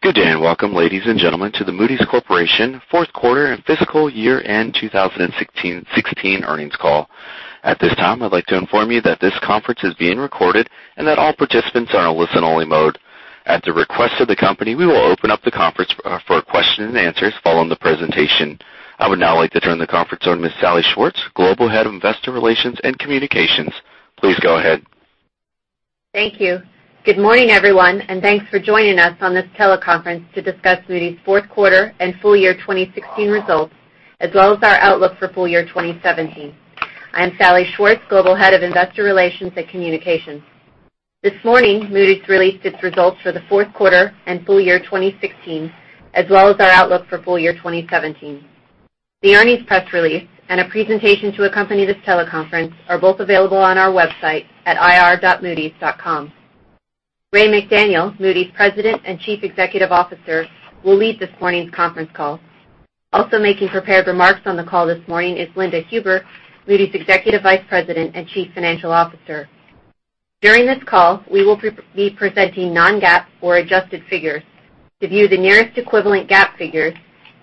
Good day, and welcome, ladies and gentlemen, to the Moody's Corporation fourth quarter and fiscal year end 2016 earnings call. At this time, I'd like to inform you that this conference is being recorded and that all participants are in listen-only mode. At the request of the company, we will open up the conference for questions and answers following the presentation. I would now like to turn the conference over to Ms. Salli Schwartz, Global Head of Investor Relations and Communications. Please go ahead. Thank you. Good morning, everyone, and thanks for joining us on this teleconference to discuss Moody's fourth quarter and full year 2016 results, as well as our outlook for full year 2017. I am Salli Schwartz, Global Head of Investor Relations and Communications. This morning, Moody's released its results for the fourth quarter and full year 2016, as well as our outlook for full year 2017. The earnings press release and a presentation to accompany this teleconference are both available on our website at ir.moodys.com. Ray McDaniel, Moody's President and Chief Executive Officer, will lead this morning's conference call. Also making prepared remarks on the call this morning is Linda Huber, Moody's Executive Vice President and Chief Financial Officer. During this call, we will be presenting non-GAAP or adjusted figures. To view the nearest equivalent GAAP figures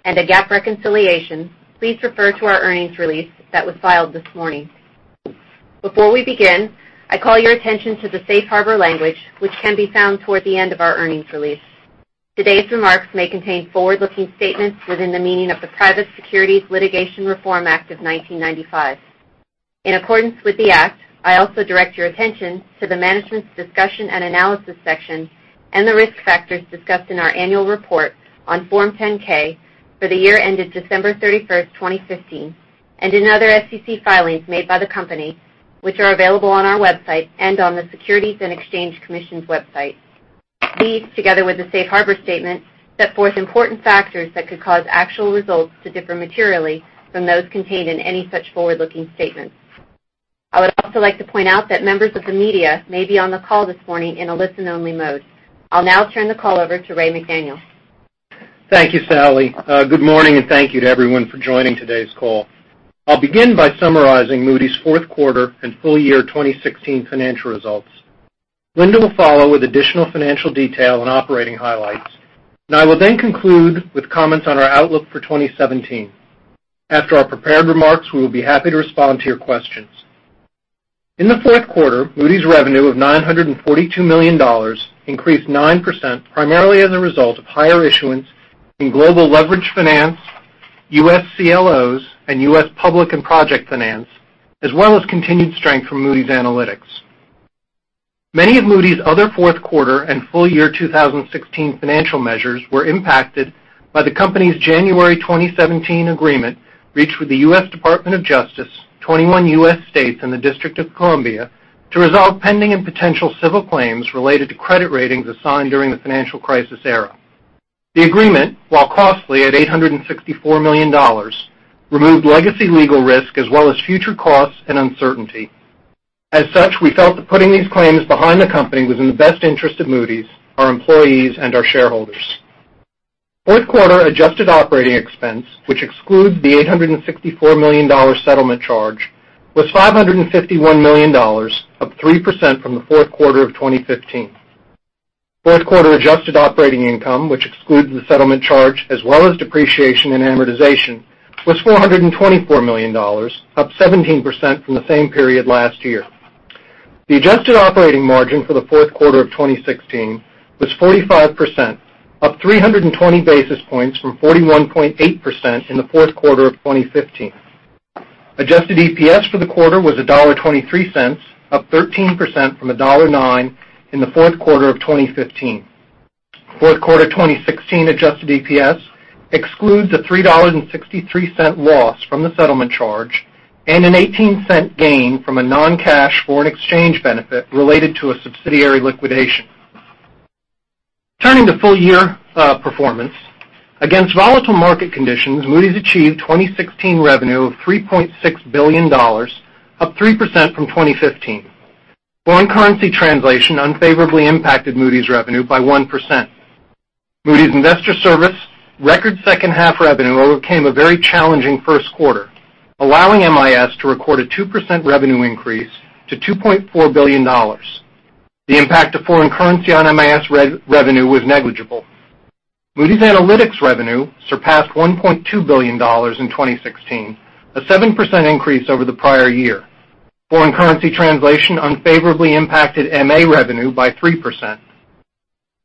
and a GAAP reconciliation, please refer to our earnings release that was filed this morning. Before we begin, I call your attention to the safe harbor language, which can be found toward the end of our earnings release. Today's remarks may contain forward-looking statements within the meaning of the Private Securities Litigation Reform Act of 1995. In accordance with the act, I also direct your attention to the Management's Discussion and Analysis section and the risk factors discussed in our annual report on Form 10-K for the year ended December 31st, 2015, and in other SEC filings made by the company, which are available on our website and on the Securities and Exchange Commission's website. These, together with the safe harbor statement, set forth important factors that could cause actual results to differ materially from those contained in any such forward-looking statements. I would also like to point out that members of the media may be on the call this morning in a listen-only mode. I'll now turn the call over to Ray McDaniel. Thank you, Salli. Good morning, and thank you to everyone for joining today's call. I'll begin by summarizing Moody's fourth quarter and full year 2016 financial results. Linda will follow with additional financial detail and operating highlights, and I will then conclude with comments on our outlook for 2017. After our prepared remarks, we will be happy to respond to your questions. In the fourth quarter, Moody's revenue of $942 million increased 9%, primarily as a result of higher issuance in global leverage finance, U.S. CLOs, and U.S. public and project finance, as well as continued strength from Moody's Analytics. Many of Moody's other fourth quarter and full year 2016 financial measures were impacted by the company's January 2017 agreement reached with the U.S. Department of Justice, 21 U.S. states, and the District of Columbia to resolve pending and potential civil claims related to credit ratings assigned during the financial crisis era. The agreement, while costly at $864 million, removed legacy legal risk as well as future costs and uncertainty. As such, we felt that putting these claims behind the company was in the best interest of Moody's, our employees, and our shareholders. Fourth quarter adjusted operating expense, which excludes the $864 million settlement charge, was $551 million, up 3% from the fourth quarter of 2015. Fourth quarter adjusted operating income, which excludes the settlement charge as well as depreciation and amortization, was $424 million, up 17% from the same period last year. The adjusted operating margin for the fourth quarter of 2016 was 45%, up 320 basis points from 41.8% in the fourth quarter of 2015. Adjusted EPS for the quarter was $1.23, up 13% from $1.09 in the fourth quarter of 2015. Fourth quarter 2016 adjusted EPS excludes a $3.63 loss from the settlement charge and a $0.18 gain from a non-cash foreign exchange benefit related to a subsidiary liquidation. Turning to full-year performance. Against volatile market conditions, Moody's achieved 2016 revenue of $3.6 billion, up 3% from 2015. Foreign currency translation unfavorably impacted Moody's revenue by 1%. Moody's Investors Service record second half revenue overcame a very challenging first quarter, allowing MIS to record a 2% revenue increase to $2.4 billion. The impact of foreign currency on MIS revenue was negligible. Moody's Analytics revenue surpassed $1.2 billion in 2016, a 7% increase over the prior year. Foreign currency translation unfavorably impacted MA revenue by 3%.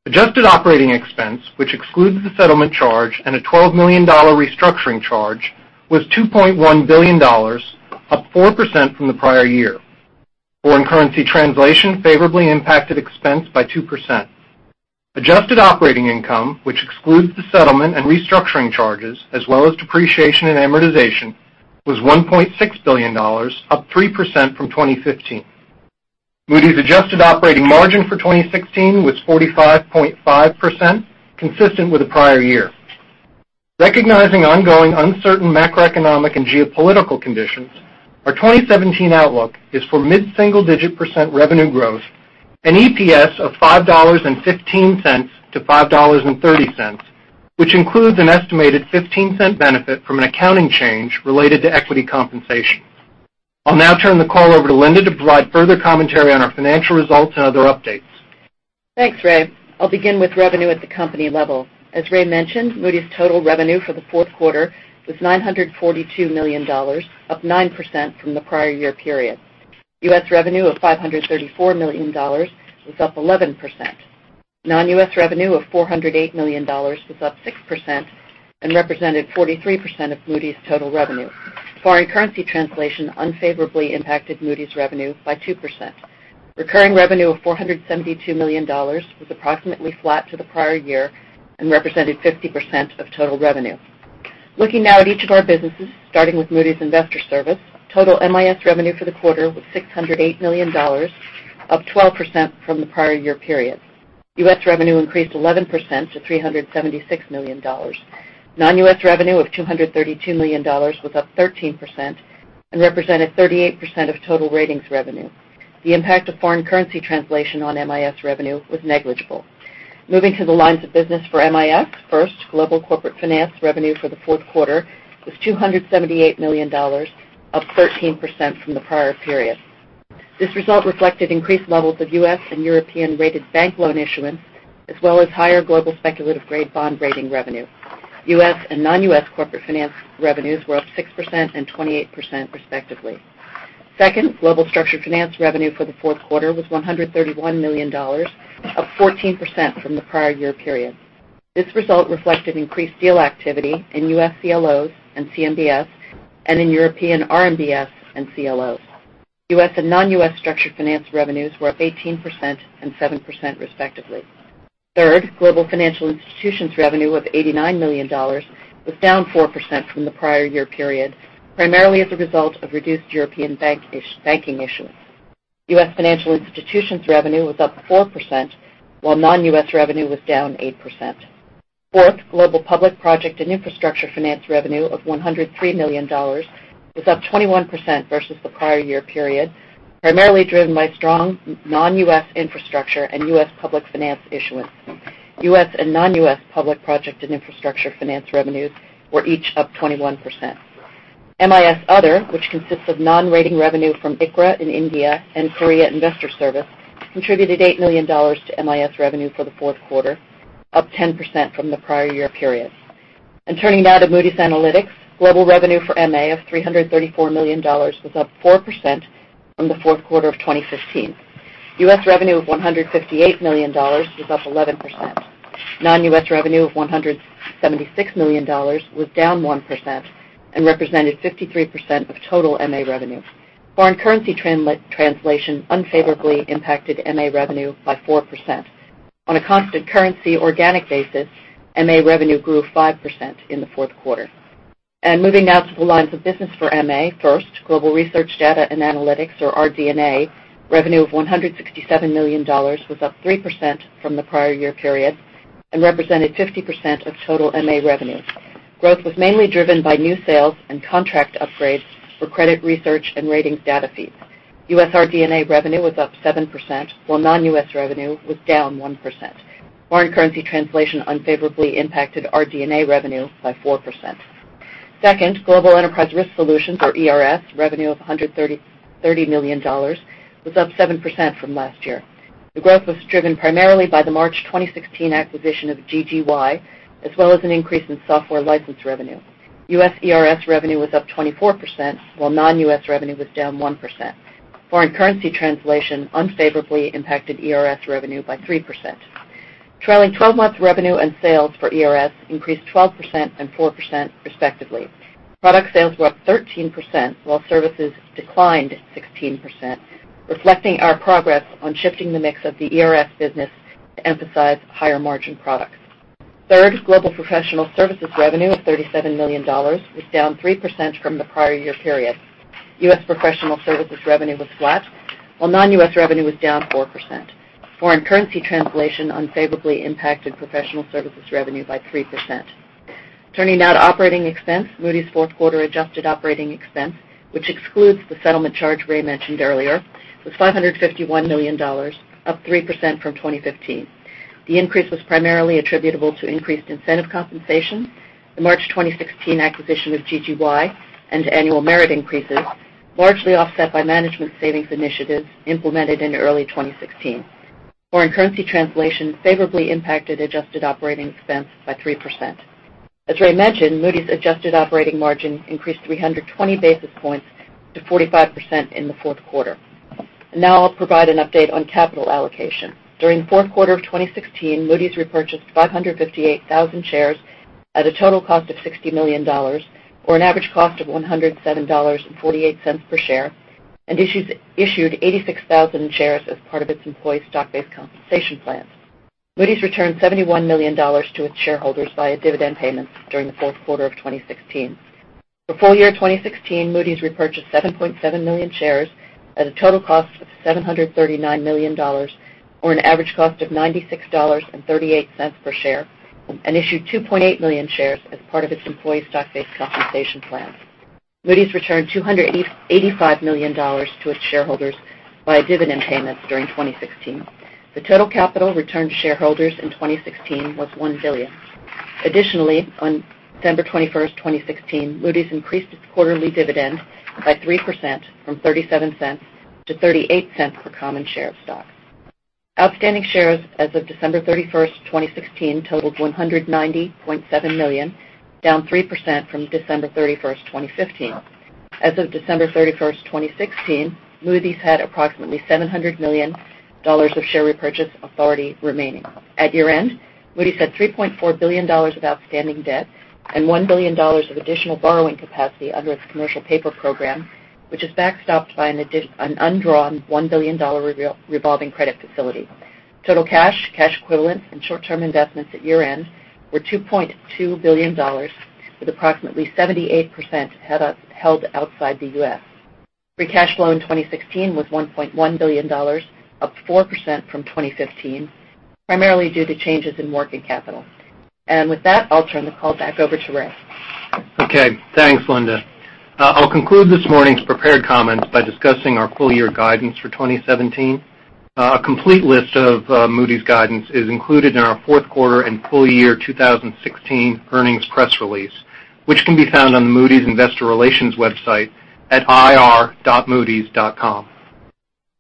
Adjusted operating expense, which excludes the settlement charge and a $12 million restructuring charge, was $2.1 billion, up 4% from the prior year. Foreign currency translation favorably impacted expense by 2%. Adjusted operating income, which excludes the settlement and restructuring charges as well as depreciation and amortization, was $1.6 billion, up 3% from 2015. Moody's adjusted operating margin for 2016 was 45.5%, consistent with the prior year. Recognizing ongoing uncertain macroeconomic and geopolitical conditions, our 2017 outlook is for mid-single-digit percent revenue growth and EPS of $5.15-$5.30, which includes an estimated $0.15 benefit from an accounting change related to equity compensation. I'll now turn the call over to Linda to provide further commentary on our financial results and other updates. Thanks, Ray. I'll begin with revenue at the company level. As Ray mentioned, Moody's total revenue for the fourth quarter was $942 million, up 9% from the prior year period. U.S. revenue of $534 million was up 11%. Non-U.S. revenue of $408 million was up 6% and represented 43% of Moody's total revenue. Foreign currency translation unfavorably impacted Moody's revenue by 2%. Recurring revenue of $472 million was approximately flat to the prior year and represented 50% of total revenue. Looking now at each of our businesses, starting with Moody's Investors Service, total MIS revenue for the quarter was $608 million, up 12% from the prior year period. U.S. revenue increased 11% to $376 million. Non-U.S. revenue of $232 million was up 13% and represented 38% of total ratings revenue. The impact of foreign currency translation on MIS revenue was negligible. Moving to the lines of business for MIS, first, global corporate finance revenue for the fourth quarter was $278 million, up 13% from the prior period. This result reflected increased levels of U.S. and European-rated bank loan issuance, as well as higher global speculative grade bond rating revenue. U.S. and non-U.S. corporate finance revenues were up 6% and 28%, respectively. Second, global structured finance revenue for the fourth quarter was $131 million, up 14% from the prior year period. This result reflected increased deal activity in U.S. CLOs and CMBS and in European RMBS and CLOs. U.S. and non-U.S. structured finance revenues were up 18% and 7%, respectively. Third, global financial institutions revenue of $89 million was down 4% from the prior year period, primarily as a result of reduced European banking issuance. U.S. financial institutions revenue was up 4%, while non-U.S. revenue was down 8%. Fourth, global public project and infrastructure finance revenue of $103 million was up 21% versus the prior year period, primarily driven by strong non-U.S. infrastructure and U.S. public finance issuance. U.S. and non-U.S. public project and infrastructure finance revenues were each up 21%. MIS other, which consists of non-rating revenue from ICRA in India and Korea Investors Service, contributed $8 million to MIS revenue for the fourth quarter, up 10% from the prior year period. Turning now to Moody's Analytics, global revenue for MA of $334 million was up 4% from the fourth quarter of 2015. U.S. revenue of $158 million was up 11%. Non-U.S. revenue of $176 million was down 1% and represented 53% of total MA revenue. Foreign currency translation unfavorably impacted MA revenue by 4%. On a constant currency organic basis, MA revenue grew 5% in the fourth quarter. Moving now to the lines of business for MA, first, global Research, Data and Analytics or RD&A revenue of $167 million was up 3% from the prior year period and represented 50% of total MA revenue. Growth was mainly driven by new sales and contract upgrades for credit research and ratings data feeds. U.S. RD&A revenue was up 7%, while non-U.S. revenue was down 1%. Foreign currency translation unfavorably impacted RD&A revenue by 4%. Second, global enterprise risk solutions or ERS revenue of $130 million was up 7% from last year. The growth was driven primarily by the March 2016 acquisition of GGY, as well as an increase in software license revenue. U.S. ERS revenue was up 24%, while non-U.S. revenue was down 1%. Foreign currency translation unfavorably impacted ERS revenue by 3%. Trailing 12 months revenue and sales for ERS increased 12% and 4%, respectively. Product sales were up 13%, while services declined 16%, reflecting our progress on shifting the mix of the ERS business to emphasize higher margin products. Third, global professional services revenue of $37 million was down 3% from the prior year period. U.S. professional services revenue was flat, while non-U.S. revenue was down 4%. Foreign currency translation unfavorably impacted professional services revenue by 3%. Turning now to operating expense, Moody's fourth quarter adjusted operating expense, which excludes the settlement charge Ray mentioned earlier, was $551 million, up 3% from 2015. The increase was primarily attributable to increased incentive compensation, the March 2016 acquisition of GGY, and annual merit increases, largely offset by management savings initiatives implemented in early 2016. Foreign currency translation favorably impacted adjusted operating expense by 3%. As Ray mentioned, Moody's adjusted operating margin increased 320 basis points to 45% in the fourth quarter. I'll provide an update on capital allocation. During the fourth quarter of 2016, Moody's repurchased 558,000 shares at a total cost of $60 million, or an average cost of $107.48 per share, and issued 86,000 shares as part of its employee stock-based compensation plan. Moody's returned $71 million to its shareholders via dividend payments during the fourth quarter of 2016. For full year 2016, Moody's repurchased 7.7 million shares at a total cost of $739 million, or an average cost of $96.38 per share, and issued 2.8 million shares as part of its employee stock-based compensation plan. Moody's returned $285 million to its shareholders via dividend payments during 2016. The total capital returned to shareholders in 2016 was $1 billion. Additionally, on December 21st, 2016, Moody's increased its quarterly dividend by 3%, from $0.37 to $0.38 per common share of stock. Outstanding shares as of December 31st, 2016 totaled 190.7 million, down 3% from December 31st, 2015. As of December 31st, 2016, Moody's had approximately $700 million of share repurchase authority remaining. At year-end, Moody's had $3.4 billion of outstanding debt and $1 billion of additional borrowing capacity under its commercial paper program, which is backstopped by an undrawn $1 billion revolving credit facility. Total cash equivalents, and short-term investments at year-end were $2.2 billion, with approximately 78% held outside the U.S. Free cash flow in 2016 was $1.1 billion, up 4% from 2015, primarily due to changes in working capital. With that, I'll turn the call back over to Ray. Thanks, Linda. I'll conclude this morning's prepared comments by discussing our full-year guidance for 2017. A complete list of Moody's guidance is included in our fourth quarter and full year 2016 earnings press release, which can be found on the Moody's Investor Relations website at ir.moodys.com.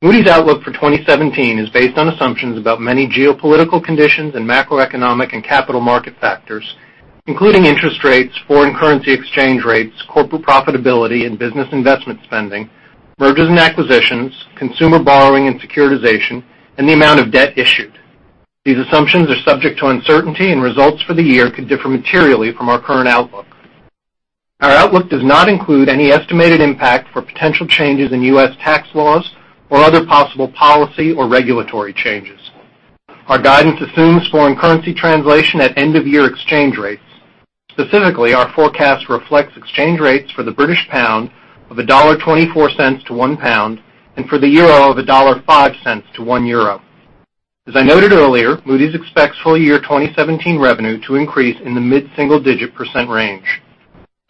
Moody's outlook for 2017 is based on assumptions about many geopolitical conditions and macroeconomic and capital market factors, including interest rates, foreign currency exchange rates, corporate profitability and business investment spending, mergers and acquisitions, consumer borrowing and securitization, and the amount of debt issued. These assumptions are subject to uncertainty, and results for the year could differ materially from our current outlook. Our outlook does not include any estimated impact for potential changes in U.S. tax laws or other possible policy or regulatory changes. Our guidance assumes foreign currency translation at end-of-year exchange rates. Specifically, our forecast reflects exchange rates for the British pound of $1.24 to 1 pound and for the euro of $1.05 to 1 euro. As I noted earlier, Moody's expects full-year 2017 revenue to increase in the mid-single digit % range.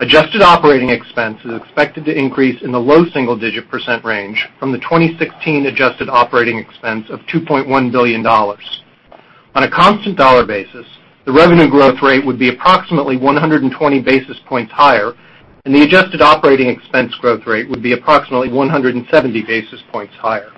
Adjusted operating expense is expected to increase in the low single-digit % range from the 2016 adjusted operating expense of $2.1 billion. On a constant dollar basis, the revenue growth rate would be approximately 120 basis points higher, and the adjusted operating expense growth rate would be approximately 170 basis points higher.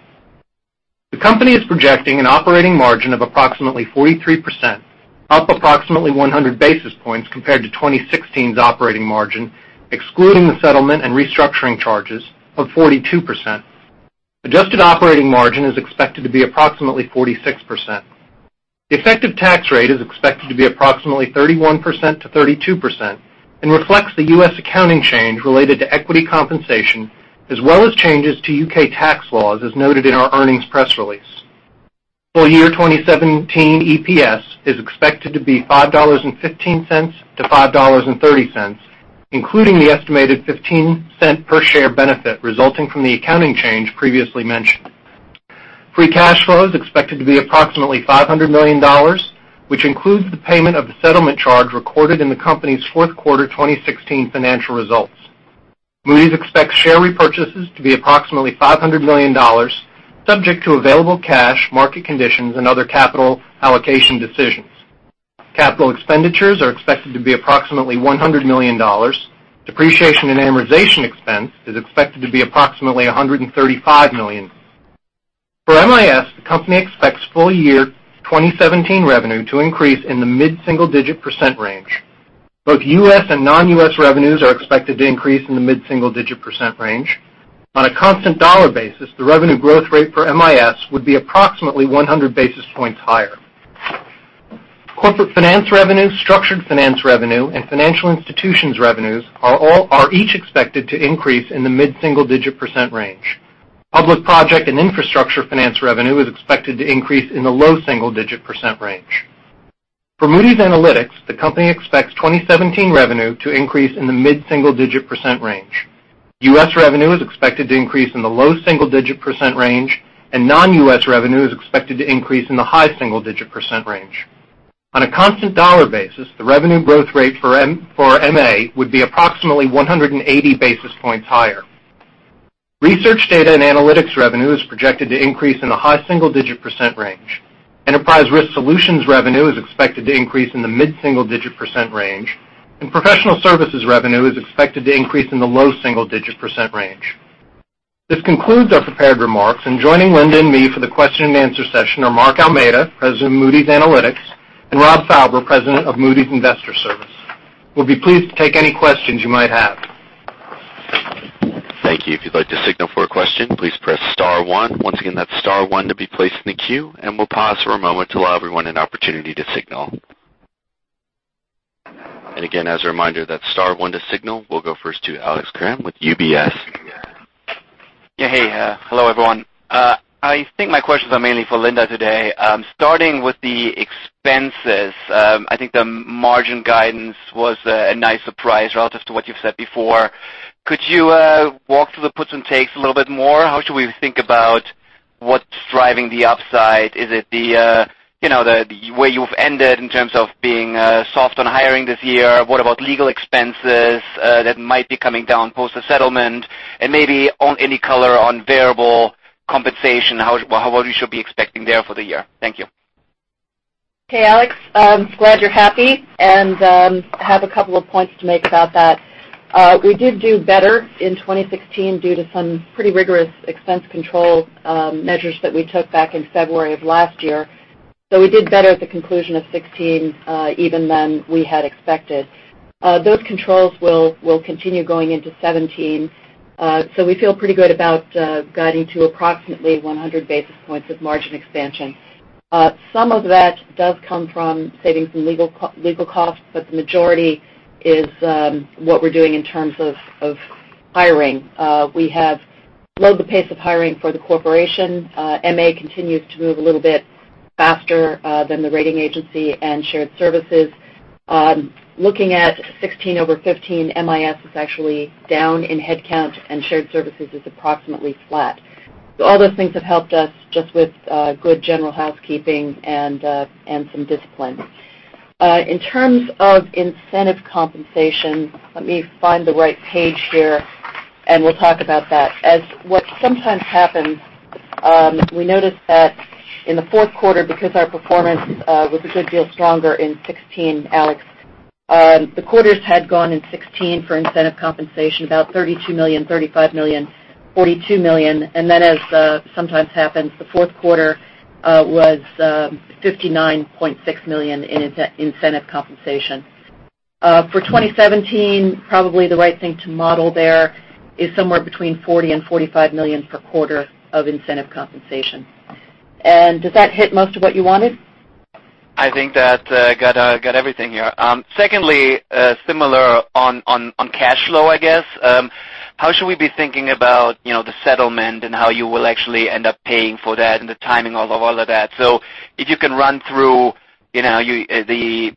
The company is projecting an operating margin of approximately 43%, up approximately 100 basis points compared to 2016's operating margin, excluding the settlement and restructuring charges of 42%. Adjusted operating margin is expected to be approximately 46%. The effective tax rate is expected to be approximately 31%-32% and reflects the U.S. accounting change related to equity compensation as well as changes to U.K. tax laws, as noted in our earnings press release. Full-year 2017 EPS is expected to be $5.15-$5.30, including the estimated $0.15 per share benefit resulting from the accounting change previously mentioned. Free cash flow is expected to be approximately $500 million, which includes the payment of the settlement charge recorded in the company's fourth quarter 2016 financial results. Moody's expects share repurchases to be approximately $500 million, subject to available cash, market conditions, and other capital allocation decisions. Capital expenditures are expected to be approximately $100 million. Depreciation and amortization expense is expected to be approximately $135 million. For MIS, the company expects full-year 2017 revenue to increase in the mid-single digit % range. Both U.S. and non-U.S. revenues are expected to increase in the mid-single digit % range. On a constant dollar basis, the revenue growth rate for MIS would be approximately 100 basis points higher. Corporate finance revenue, structured finance revenue, and financial institutions revenues are each expected to increase in the mid-single digit % range. Public project and infrastructure finance revenue is expected to increase in the low single-digit % range. For Moody's Analytics, the company expects 2017 revenue to increase in the mid-single digit % range. U.S. revenue is expected to increase in the low single-digit % range, and non-U.S. revenue is expected to increase in the high single-digit % range. On a constant dollar basis, the revenue growth rate for MA would be approximately 180 basis points higher. Research, Data and Analytics revenue is projected to increase in the high single-digit % range. Enterprise risk solutions revenue is expected to increase in the mid-single digit % range, and professional services revenue is expected to increase in the low single-digit % range. This concludes our prepared remarks, joining Linda and me for the question and answer session are Mark Almeida, President of Moody's Analytics, and Rob Fauber, President of Moody's Investors Service. We'll be pleased to take any questions you might have. Thank you. If you'd like to signal for a question, please press star one. Once again, that's star one to be placed in the queue, we'll pause for a moment to allow everyone an opportunity to signal. Again, as a reminder, that's star one to signal. We'll go first to Alex Kramm with UBS. Yeah. Hey. Hello, everyone. I think my questions are mainly for Linda today. Starting with the expenses, I think the margin guidance was a nice surprise relative to what you've said before. Could you walk through the puts and takes a little bit more? How should we think about what's driving the upside? Is it the way you've ended in terms of being soft on hiring this year? What about legal expenses that might be coming down post the settlement? Maybe any color on variable compensation, what we should be expecting there for the year? Thank you. Hey, Alex. Glad you're happy, have a couple of points to make about that. We did do better in 2016 due to some pretty rigorous expense control measures that we took back in February of last year. We did better at the conclusion of '16, even than we had expected. Those controls will continue going into '17. We feel pretty good about guiding to approximately 100 basis points of margin expansion. Some of that does come from savings in legal costs, the majority is what we're doing in terms of hiring. We have slowed the pace of hiring for the corporation. MA continues to move a little bit faster than the rating agency and shared services. Looking at '16 over '15, MIS is actually down in head count shared services is approximately flat. All those things have helped us just with good general housekeeping and some discipline. In terms of incentive compensation, let me find the right page here and we'll talk about that. As what sometimes happens, we notice that in the fourth quarter, because our performance was a good deal stronger in '16, Alex, the quarters had gone in '16 for incentive compensation, about $32 million, $35 million, $42 million. As sometimes happens, the fourth quarter was $59.6 million in incentive compensation. For 2017, probably the right thing to model there is somewhere between $40 million and $45 million per quarter of incentive compensation. Does that hit most of what you wanted? I think that got everything here. Secondly, similar on cash flow, I guess. How should we be thinking about the settlement and how you will actually end up paying for that and the timing of all of that? If you can run through the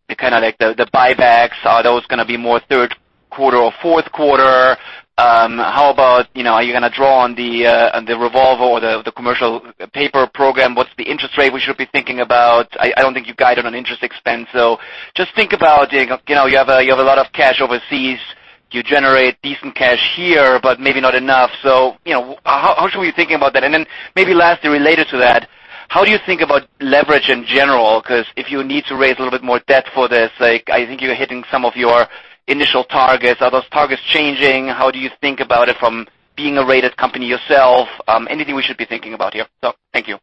buybacks. Are those going to be more third quarter or fourth quarter? How about, are you going to draw on the revolver or the commercial paper program? What's the interest rate we should be thinking about? I don't think you've guided on interest expense. Just think about, you have a lot of cash overseas. You generate decent cash here, but maybe not enough. How should we be thinking about that? Maybe lastly, related to that, how do you think about leverage in general? If you need to raise a little bit more debt for this, I think you're hitting some of your initial targets. Are those targets changing? How do you think about it from being a rated company yourself? Anything we should be thinking about here? Thank you.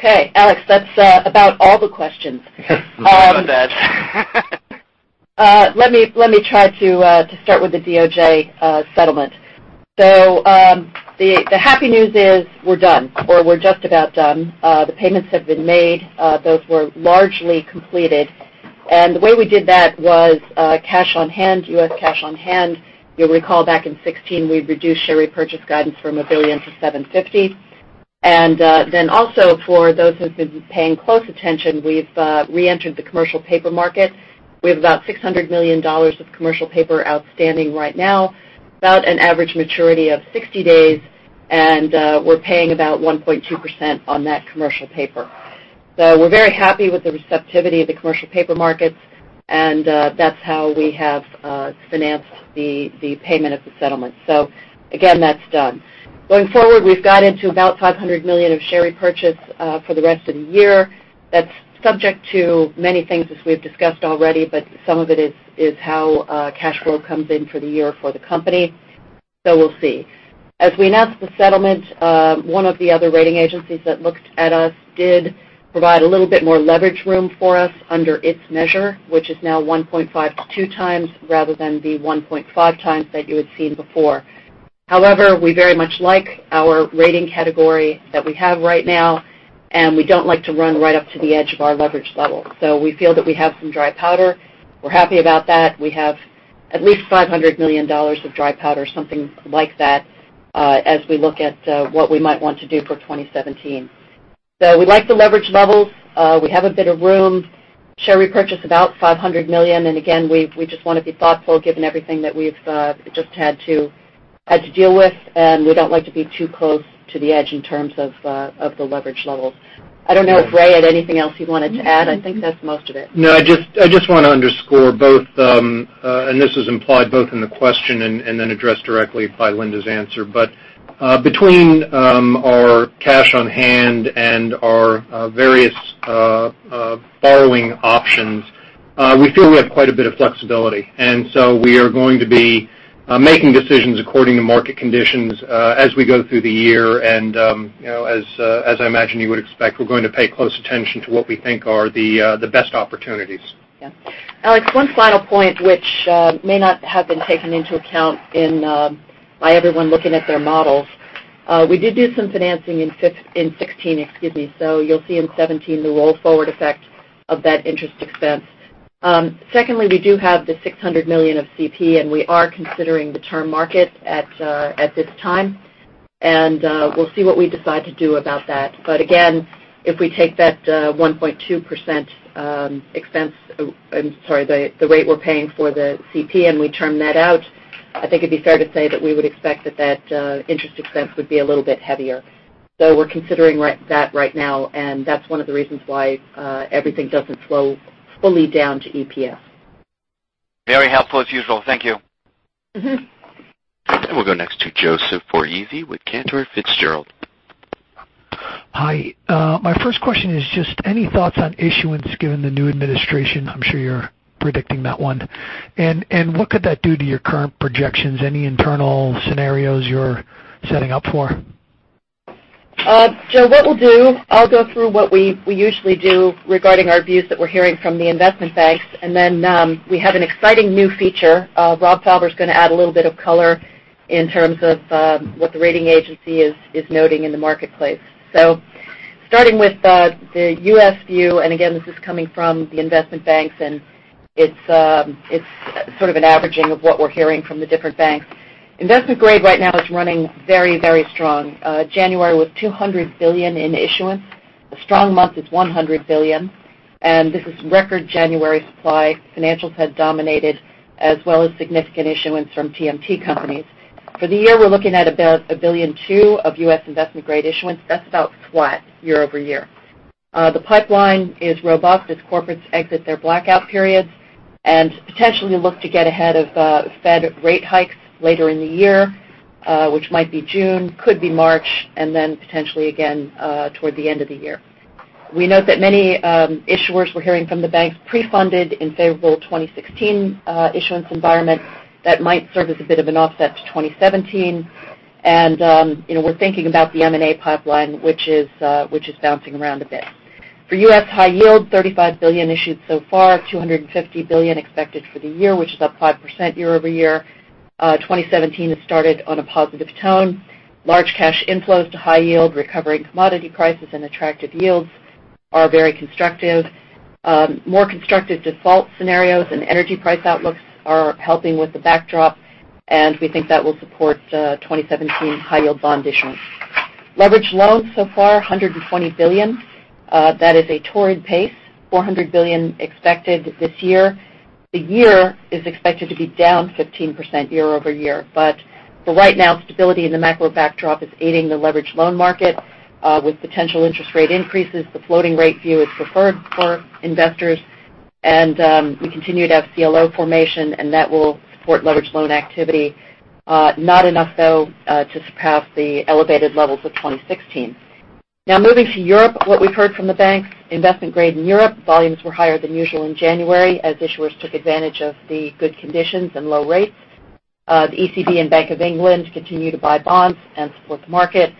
Okay, Alex, that's about all the questions. Sorry about that. Let me try to start with the DOJ settlement. The happy news is we're done, or we're just about done. The payments have been made. Those were largely completed. The way we did that was cash on hand, U.S. cash on hand. You'll recall back in 2016, we reduced share repurchase guidance from $1 billion to $750 million. Also for those who've been paying close attention, we've reentered the commercial paper market. We have about $600 million of commercial paper outstanding right now, about an average maturity of 60 days, and we're paying about 1.2% on that commercial paper. We're very happy with the receptivity of the commercial paper markets, and that's how we have financed the payment of the settlement. Again, that's done. Going forward, we've guided to about $500 million of share repurchase for the rest of the year. That's subject to many things as we've discussed already, but some of it is how cash flow comes in for the year for the company. We'll see. As we announced the settlement, one of the other rating agencies that looked at us did provide a little bit more leverage room for us under its measure, which is now 1.52 times rather than the 1.5 times that you had seen before. We very much like our rating category that we have right now, and we don't like to run right up to the edge of our leverage level. We feel that we have some dry powder. We're happy about that. We have at least $500 million of dry powder, something like that, as we look at what we might want to do for 2017. We like the leverage levels. We have a bit of room. Share repurchase about $500 million, again, we just want to be thoughtful given everything that we've just had to deal with, and we don't like to be too close to the edge in terms of the leverage levels. I don't know if Ray had anything else you wanted to add. I think that's most of it. No, I just want to underscore both, this is implied both in the question and then addressed directly by Linda's answer. Between our cash on hand and our various borrowing options, we feel we have quite a bit of flexibility. We are going to be making decisions according to market conditions as we go through the year. As I imagine you would expect, we're going to pay close attention to what we think are the best opportunities. Yeah. Alex, one final point which may not have been taken into account by everyone looking at their models. We did do some financing in 2016, excuse me. You'll see in 2017, the roll-forward effect of that interest expense. Secondly, we do have the $600 million of CP, and we are considering the term market at this time. We'll see what we decide to do about that. Again, if we take that 1.2% expense, I'm sorry, the rate we're paying for the CP and we term that out, I think it'd be fair to say that we would expect that that interest expense would be a little bit heavier. We're considering that right now, and that's one of the reasons why everything doesn't flow fully down to EPS. Very helpful as usual. Thank you. We'll go next to Joseph Porizi with Cantor Fitzgerald. Hi. My first question is just, any thoughts on issuance given the new administration? I'm sure you're predicting that one. What could that do to your current projections? Any internal scenarios you're setting up for? Joe, what we'll do, I'll go through what we usually do regarding our views that we're hearing from the investment banks, and then we have an exciting new feature. Rob Fauber's going to add a little bit of color in terms of what the rating agency is noting in the marketplace. Starting with the U.S. view, and again, this is coming from the investment banks, and it's sort of an averaging of what we're hearing from the different banks. Investment grade right now is running very, very strong. January was $200 billion in issuance. A strong month is $100 billion. And this is record January supply. Financials had dominated, as well as significant issuance from TMT companies. For the year, we're looking at about $1.2 billion of U.S. investment-grade issuance. That's about flat year-over-year. The pipeline is robust as corporates exit their blackout periods and potentially look to get ahead of Fed rate hikes later in the year, which might be June, could be March, and then potentially again toward the end of the year. We note that many issuers we're hearing from the banks pre-funded in favorable 2016 issuance environment, that might serve as a bit of an offset to 2017. We're thinking about the M&A pipeline, which is bouncing around a bit. For U.S. high yield, $35 billion issued so far, $250 billion expected for the year, which is up 5% year-over-year. 2017 has started on a positive tone. Large cash inflows to high yield, recovering commodity prices, and attractive yields are very constructive. More constructive default scenarios and energy price outlooks are helping with the backdrop, and we think that will support 2017 high yield bond issuance. Leveraged loans so far, $120 billion. That is a torrid pace, $400 billion expected this year. The year is expected to be down 15% year-over-year. For right now, stability in the macro backdrop is aiding the leveraged loan market. With potential interest rate increases, the floating rate view is preferred for investors. We continue to have CLO formation, and that will support leveraged loan activity. Not enough, though, to surpass the elevated levels of 2016. Now moving to Europe, what we've heard from the banks, investment grade in Europe, volumes were higher than usual in January as issuers took advantage of the good conditions and low rates. The ECB and Bank of England continue to buy bonds and support the market.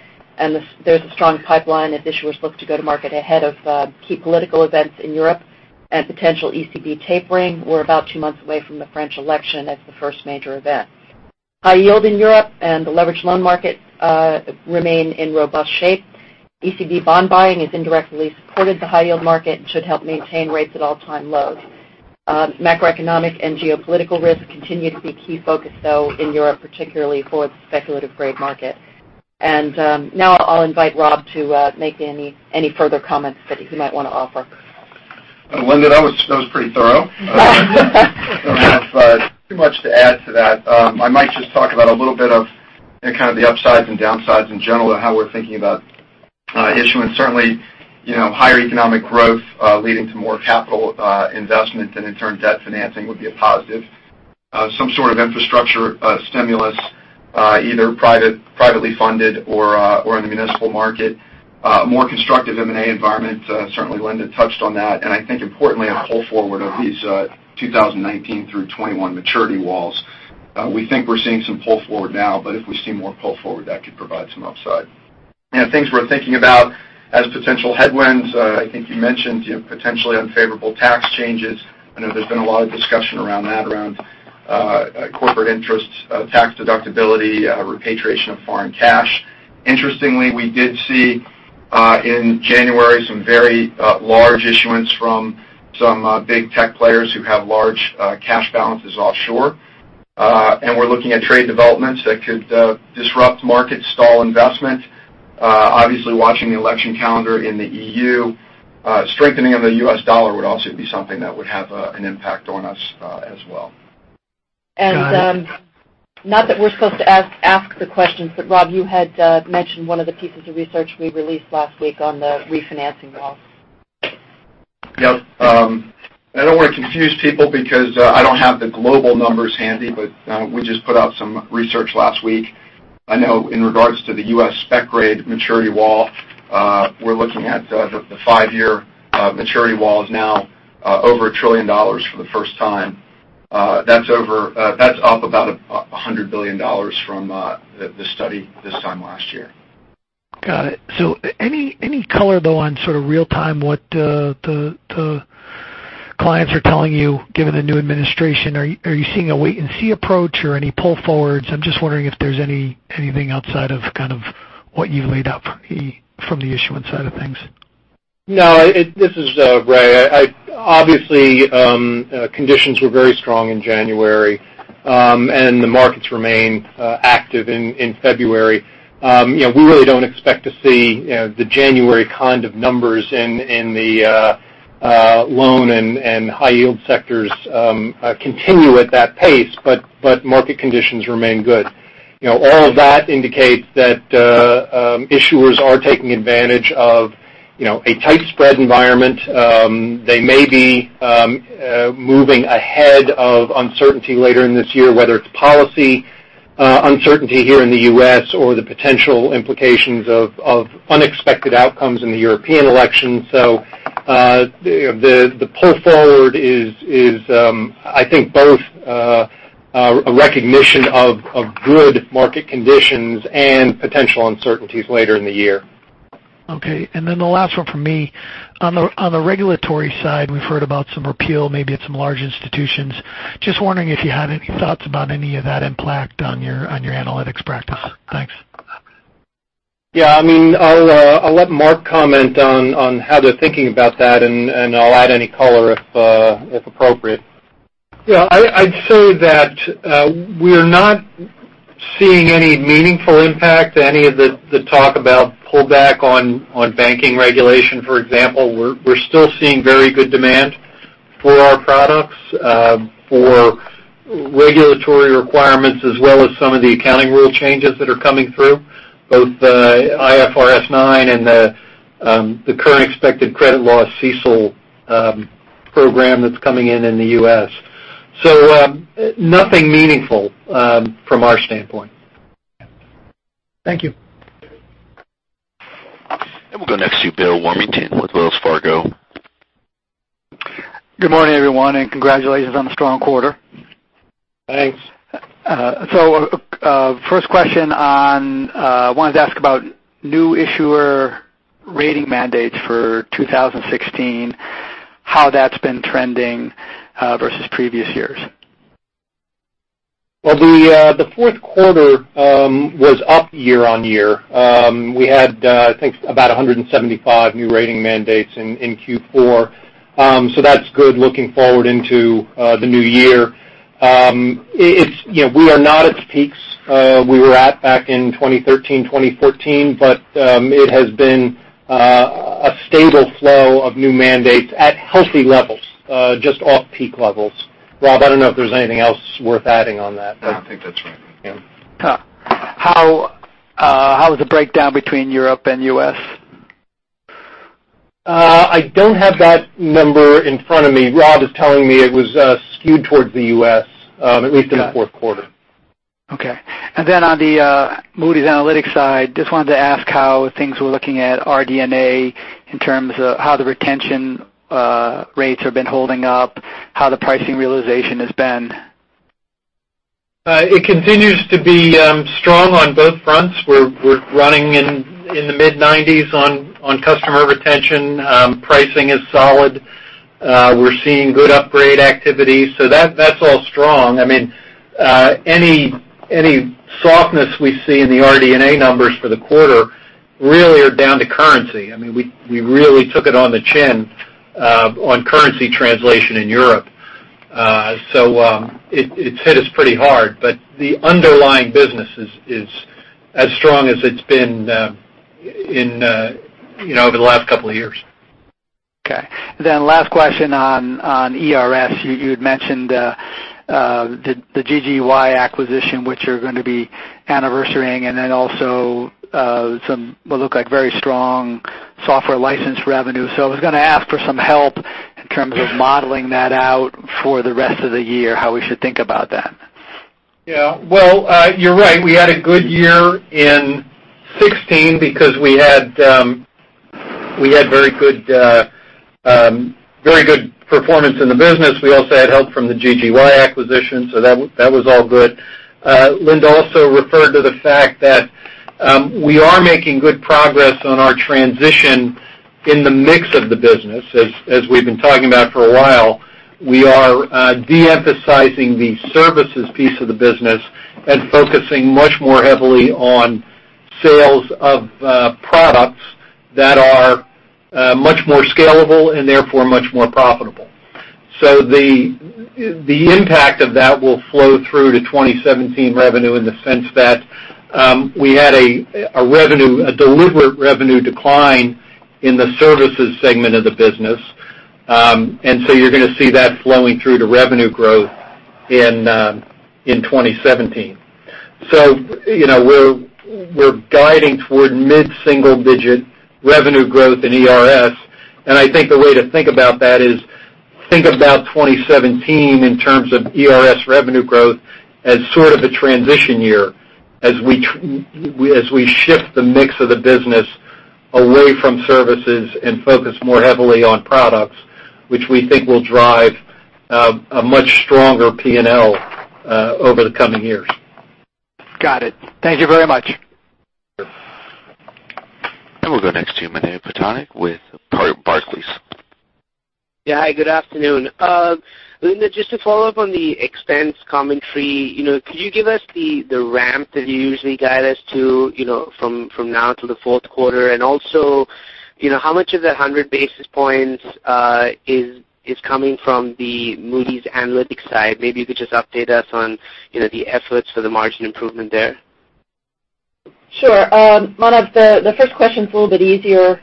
There's a strong pipeline as issuers look to go to market ahead of key political events in Europe and potential ECB tapering. We're about two months away from the French election. That's the first major event. High yield in Europe and the leveraged loan market remain in robust shape. ECB bond buying has indirectly supported the high-yield market and should help maintain rates at all-time lows. Macroeconomic and geopolitical risks continue to be key focus, though, in Europe, particularly for the speculative grade market. Now I'll invite Rob to make any further comments that he might want to offer. Linda, that was pretty thorough. I don't have too much to add to that. I might just talk about a little bit of the upsides and downsides in general and how we're thinking about issuance. Certainly, higher economic growth leading to more capital investment and in turn, debt financing would be a positive. Some sort of infrastructure stimulus, either privately funded or in the municipal market. A more constructive M&A environment, certainly Linda touched on that. I think importantly, a pull forward of these 2019 through 2021 maturity walls. We think we're seeing some pull forward now, but if we see more pull forward, that could provide some upside. Things we're thinking about as potential headwinds, I think you mentioned, potentially unfavorable tax changes. I know there's been a lot of discussion around that, around corporate interest, tax deductibility, repatriation of foreign cash. Interestingly, we did see in January some very large issuance from some big tech players who have large cash balances offshore. We're looking at trade developments that could disrupt market stall investment. Obviously watching the election calendar in the EU. Strengthening of the US dollar would also be something that would have an impact on us as well. Not that we're supposed to ask the questions, but Rob, you had mentioned one of the pieces of research we released last week on the refinancing walls. Yep. I don't want to confuse people because I don't have the global numbers handy. We just put out some research last week. In regards to the U.S. spec grade maturity wall, we're looking at the five-year maturity wall is now over $1 trillion for the first time. That's up about $100 billion from the study this time last year. Got it. Any color, though, on sort of real time, what the clients are telling you, given the new administration? Are you seeing a wait-and-see approach or any pull forwards? I'm just wondering if there's anything outside of what you've laid out from the issuance side of things. No, this is Ray. Obviously, conditions were very strong in January, the markets remain active in February. We really don't expect to see the January kind of numbers in the loan and high-yield sectors continue at that pace, but market conditions remain good. All of that indicates that issuers are taking advantage of a tight spread environment. They may be moving ahead of uncertainty later in this year, whether it's policy uncertainty here in the U.S. or the potential implications of unexpected outcomes in the European election. The pull forward is, I think both a recognition of good market conditions and potential uncertainties later in the year. Okay. The last one from me. On the regulatory side, we've heard about some repeal, maybe at some large institutions. Just wondering if you had any thoughts about any of that impact on your Analytics practice. Thanks. Yeah. I'll let Mark comment on how they're thinking about that, and I'll add any color if appropriate. Yeah. I'd say that we're not seeing any meaningful impact to any of the talk about pullback on banking regulation, for example. We're still seeing very good demand for our products, for regulatory requirements, as well as some of the accounting rule changes that are coming through, both the IFRS 9 and the Current Expected Credit Loss, CECL program that's coming in in the U.S. Nothing meaningful from our standpoint. Thank you. We'll go next to Bill Warmington with Wells Fargo. Good morning, everyone, and congratulations on the strong quarter. Thanks. First question, wanted to ask about new issuer rating mandates for 2016, how that's been trending versus previous years. The fourth quarter was up year-on-year. We had I think about 175 new rating mandates in Q4. That's good looking forward into the new year. We are not at the peaks we were at back in 2013, 2014, but it has been a stable flow of new mandates at healthy levels, just off peak levels. Rob, I don't know if there's anything else worth adding on that. No, I think that's right. Yeah. How is the breakdown between Europe and U.S.? I don't have that number in front of me. Rob is telling me it was skewed towards the U.S., at least in the fourth quarter. Okay. On the Moody's Analytics side, just wanted to ask how things were looking at RD&A in terms of how the retention rates have been holding up, how the pricing realization has been. It continues to be strong on both fronts. We're running in the mid-90s on customer retention. Pricing is solid. We're seeing good upgrade activity. That's all strong. Any softness we see in the RD&A numbers for the quarter really are down to currency. We really took it on the chin on currency translation in Europe. It hit us pretty hard. The underlying business is as strong as it's been over the last couple of years. Okay. Last question on ERS. You had mentioned the GGY acquisition, which you're going to be anniversarying, and also some what looked like very strong software license revenue. I was going to ask for some help in terms of modeling that out for the rest of the year, how we should think about that. Yeah. Well, you're right. We had a good year in 2016 because we had very good performance in the business. We also had help from the GGY acquisition, that was all good. Linda also referred to the fact that we are making good progress on our transition in the mix of the business. As we've been talking about for a while, we are de-emphasizing the services piece of the business and focusing much more heavily on sales of products that are much more scalable and therefore much more profitable. The impact of that will flow through to 2017 revenue in the sense that we had a deliberate revenue decline in the services segment of the business. You're going to see that flowing through to revenue growth in 2017. We're guiding toward mid-single-digit revenue growth in ERS, and I think the way to think about that is think about 2017 in terms of ERS revenue growth as sort of a transition year as we shift the mix of the business away from services and focus more heavily on products, which we think will drive a much stronger P&L over the coming years. Got it. Thank you very much. We'll go next to Manav Patnaik with Barclays. Hi, good afternoon. Linda, just to follow up on the expense commentary, could you give us the ramp that you usually guide us to from now to the fourth quarter? Also, how much of that 100 basis points is coming from the Moody's Analytics side? Maybe you could just update us on the efforts for the margin improvement there. Sure. Manav, the first question's a little bit easier,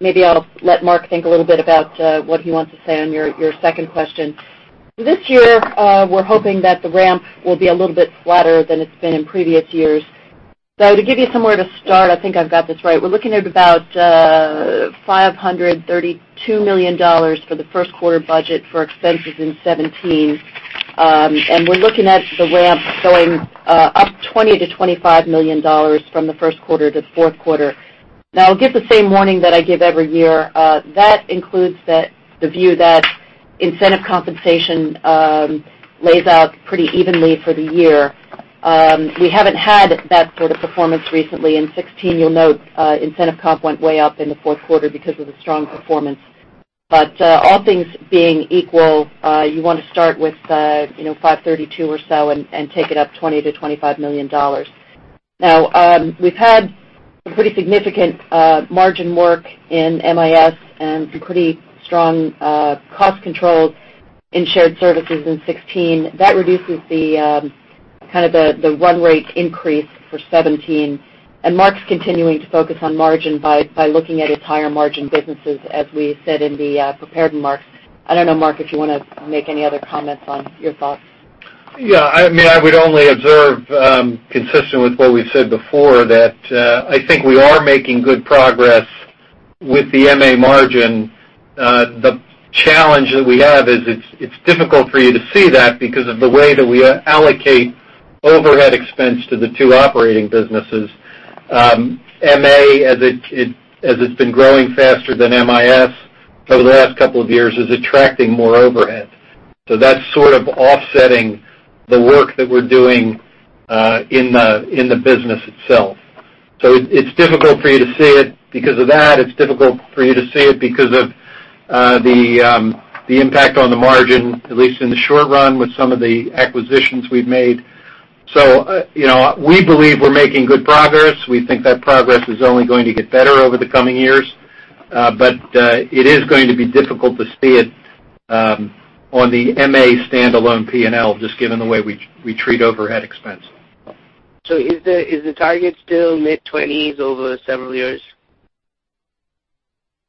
maybe I'll let Mark think a little bit about what he wants to say on your second question. This year, we're hoping that the ramp will be a little bit flatter than it's been in previous years. To give you somewhere to start, I think I've got this right, we're looking at about $532 million for the first quarter budget for expenses in 2017. We're looking at the ramp going up $20 million-$25 million from the first quarter to the fourth quarter. Now I'll give the same warning that I give every year. That includes the view that incentive compensation lays out pretty evenly for the year. We haven't had that sort of performance recently. In 2016, you'll note, incentive comp went way up in the fourth quarter because of the strong performance. All things being equal, you want to start with $532 or so and take it up $20 million-$25 million. Now, we've had some pretty significant margin work in MIS and some pretty strong cost controls in shared services in 2016. That reduces the run rate increase for 2017. Mark's continuing to focus on margin by looking at its higher margin businesses as we said in the prepared remarks. I don't know, Mark, if you want to make any other comments on your thoughts. Yeah, I would only observe, consistent with what we've said before, that I think we are making good progress with the MA margin. The challenge that we have is it's difficult for you to see that because of the way that we allocate overhead expense to the two operating businesses. MA, as it's been growing faster than MIS over the last two years, is attracting more overhead. That's sort of offsetting the work that we're doing in the business itself. It's difficult for you to see it because of that. It's difficult for you to see it because of the impact on the margin, at least in the short run, with some of the acquisitions we've made. We believe we're making good progress. We think that progress is only going to get better over the coming years. It is going to be difficult to see it on the MA standalone P&L, just given the way we treat overhead expense. Is the target still mid-20s over several years?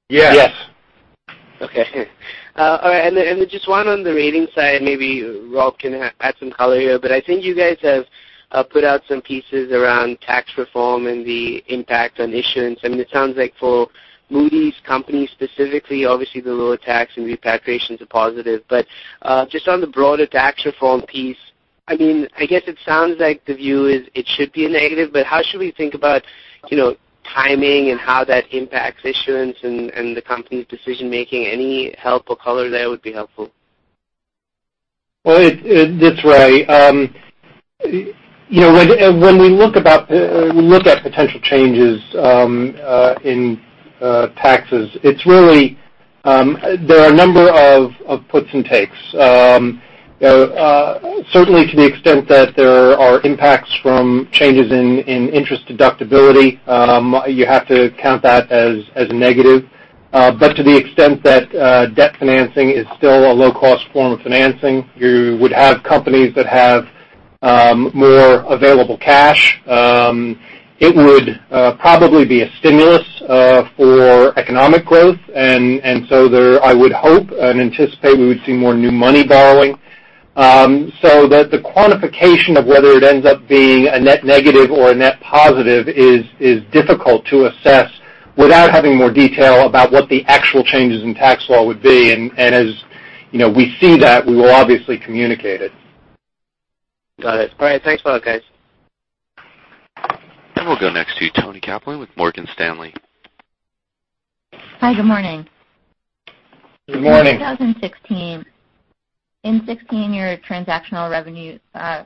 Yes. Yes. Just one on the ratings side, maybe Rob can add some color here, but I think you guys have put out some pieces around tax reform and the impact on issuance. It sounds like for Moody's specifically, obviously the lower tax and repatriations are positive. Just on the broader tax reform piece, I guess it sounds like the view is it should be a negative, but how should we think about timing and how that impacts issuance and the company's decision-making? Any help or color there would be helpful. That's right. When we look at potential changes in taxes, there are a number of puts and takes. Certainly to the extent that there are impacts from changes in interest deductibility, you have to count that as a negative. To the extent that debt financing is still a low-cost form of financing, you would have companies that have more available cash. It would probably be a stimulus for economic growth, I would hope and anticipate we would see more new money borrowing. The quantification of whether it ends up being a net negative or a net positive is difficult to assess without having more detail about what the actual changes in tax law would be. As we see that, we will obviously communicate it. Got it. All right. Thanks a lot, guys. We'll go next to Toni Kaplan with Morgan Stanley. Hi, good morning. Good morning. Good morning. In 2016, your transactional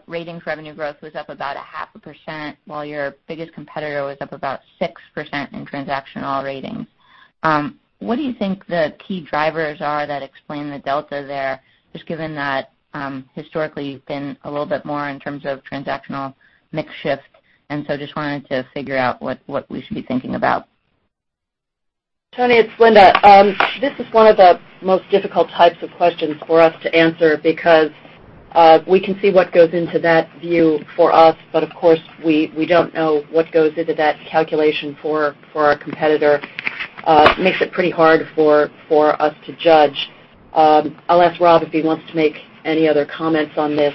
ratings revenue growth was up about a half a percent while your biggest competitor was up about 6% in transactional ratings. What do you think the key drivers are that explain the delta there, just given that historically you've been a little bit more in terms of transactional mix shift, just wanted to figure out what we should be thinking about. Toni, it's Linda. This is one of the most difficult types of questions for us to answer because we can see what goes into that view for us, of course, we don't know what goes into that calculation for our competitor. Makes it pretty hard for us to judge. I'll ask Rob if he wants to make any other comments on this,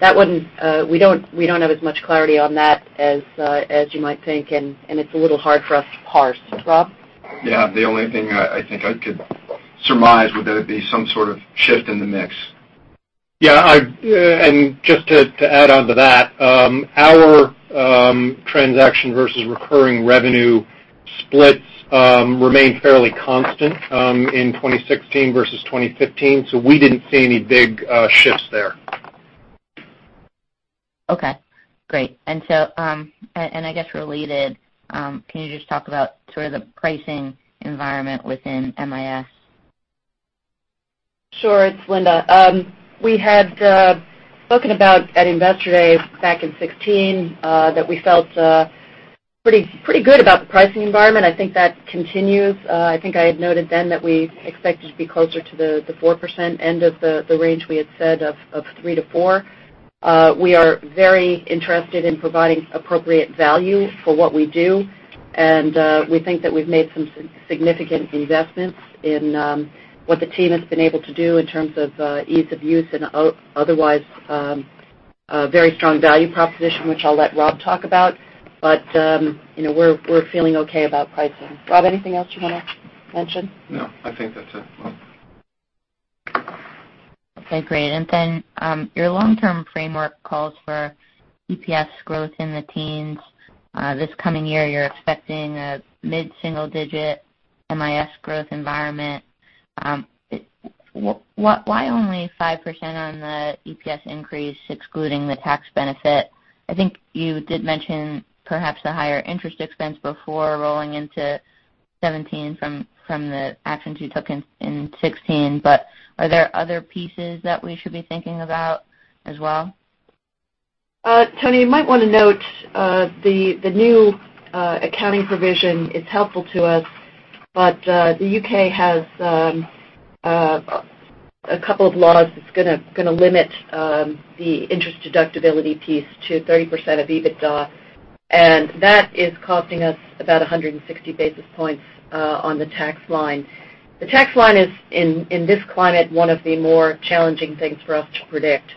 we don't have as much clarity on that as you might think, it's a little hard for us to parse. Rob? Yeah. The only thing I think I could surmise would that it be some sort of shift in the mix. Just to add onto that, our transaction versus recurring revenue splits remained fairly constant in 2016 versus 2015, so we didn't see any big shifts there. Okay, great. I guess related, can you just talk about sort of the pricing environment within MIS? Sure. It's Linda. We had spoken about at Investor Day back in 2016, that we felt pretty good about the pricing environment. I think that continues. I think I had noted then that we expected to be closer to the 4% end of the range we had said of 3%-4%. We are very interested in providing appropriate value for what we do, and we think that we've made some significant investments in what the team has been able to do in terms of ease of use and otherwise a very strong value proposition, which I'll let Rob talk about. We're feeling okay about pricing. Rob, anything else you want to mention? No, I think that's it. Okay, great. Your long-term framework calls for EPS growth in the teens. This coming year, you're expecting a mid-single-digit MIS growth environment. Why only 5% on the EPS increase excluding the tax benefit? I think you did mention perhaps the higher interest expense before rolling into 2017 from the actions you took in 2016, are there other pieces that we should be thinking about as well? Toni, you might want to note the new accounting provision is helpful to us. The U.K. has a couple of laws that's going to limit the interest deductibility piece to 30% of EBITDA, that is costing us about 160 basis points on the tax line. The tax line is, in this climate, one of the more challenging things for us to predict.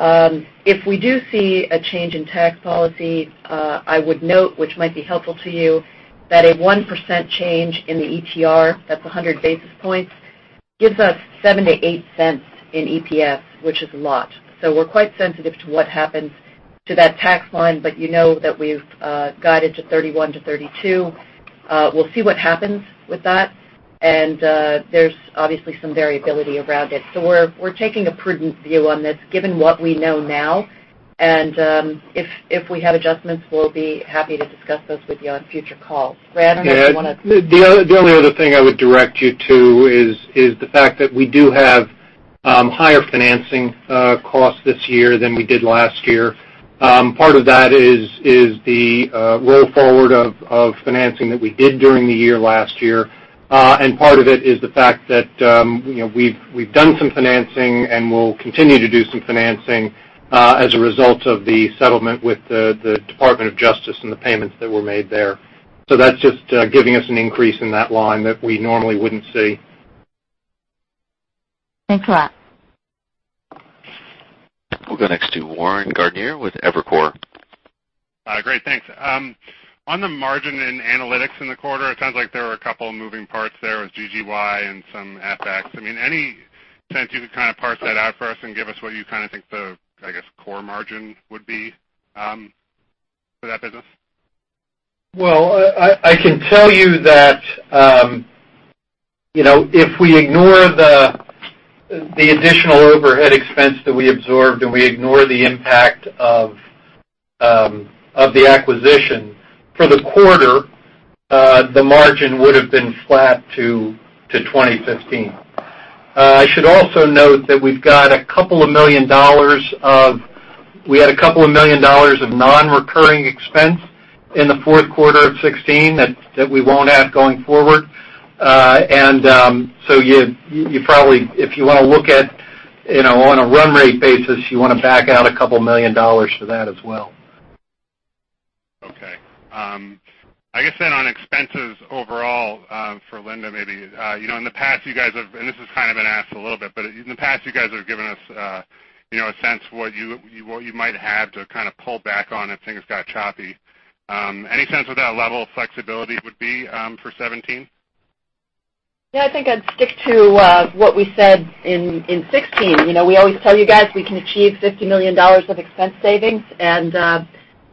If we do see a change in tax policy, I would note, which might be helpful to you, that a 1% change in the ETR, that's 100 basis points, gives us $0.07-$0.08 in EPS, which is a lot. We're quite sensitive to what happens to that tax line, you know that we've guided to 31%-32%. We'll see what happens with that, there's obviously some variability around it. We're taking a prudent view on this given what we know now. If we have adjustments, we'll be happy to discuss those with you on future calls. Ray, I don't know if you want to- The only other thing I would direct you to is the fact that we do have higher financing costs this year than we did last year. Part of that is the roll forward of financing that we did during the year last year. Part of it is the fact that we've done some financing and we'll continue to do some financing as a result of the settlement with the Department of Justice and the payments that were made there. That's just giving us an increase in that line that we normally wouldn't see. Thanks a lot. We'll go next to Warren Gardiner with Evercore. Great. Thanks. On the margin in analytics in the quarter, it sounds like there were a couple of moving parts there with GGY and some FX. Any sense you could kind of parse that out for us and give us what you think the core margin would be for that business? I can tell you that if we ignore the additional overhead expense that we absorbed and we ignore the impact of the acquisition, for the quarter, the margin would have been flat to 2015. I should also note that we had a couple of million dollars of non-recurring expense in the fourth quarter of 2016 that we won't have going forward. If you want to look at on a run rate basis, you want to back out a couple million dollars for that as well. Okay. I guess on expenses overall, for Linda maybe, this has kind of been asked a little bit, in the past you guys have given us a sense what you might have to pull back on if things got choppy. Any sense of what that level of flexibility would be for 2017? Yeah, I think I'd stick to what we said in 2016. We always tell you guys we can achieve $50 million of expense savings,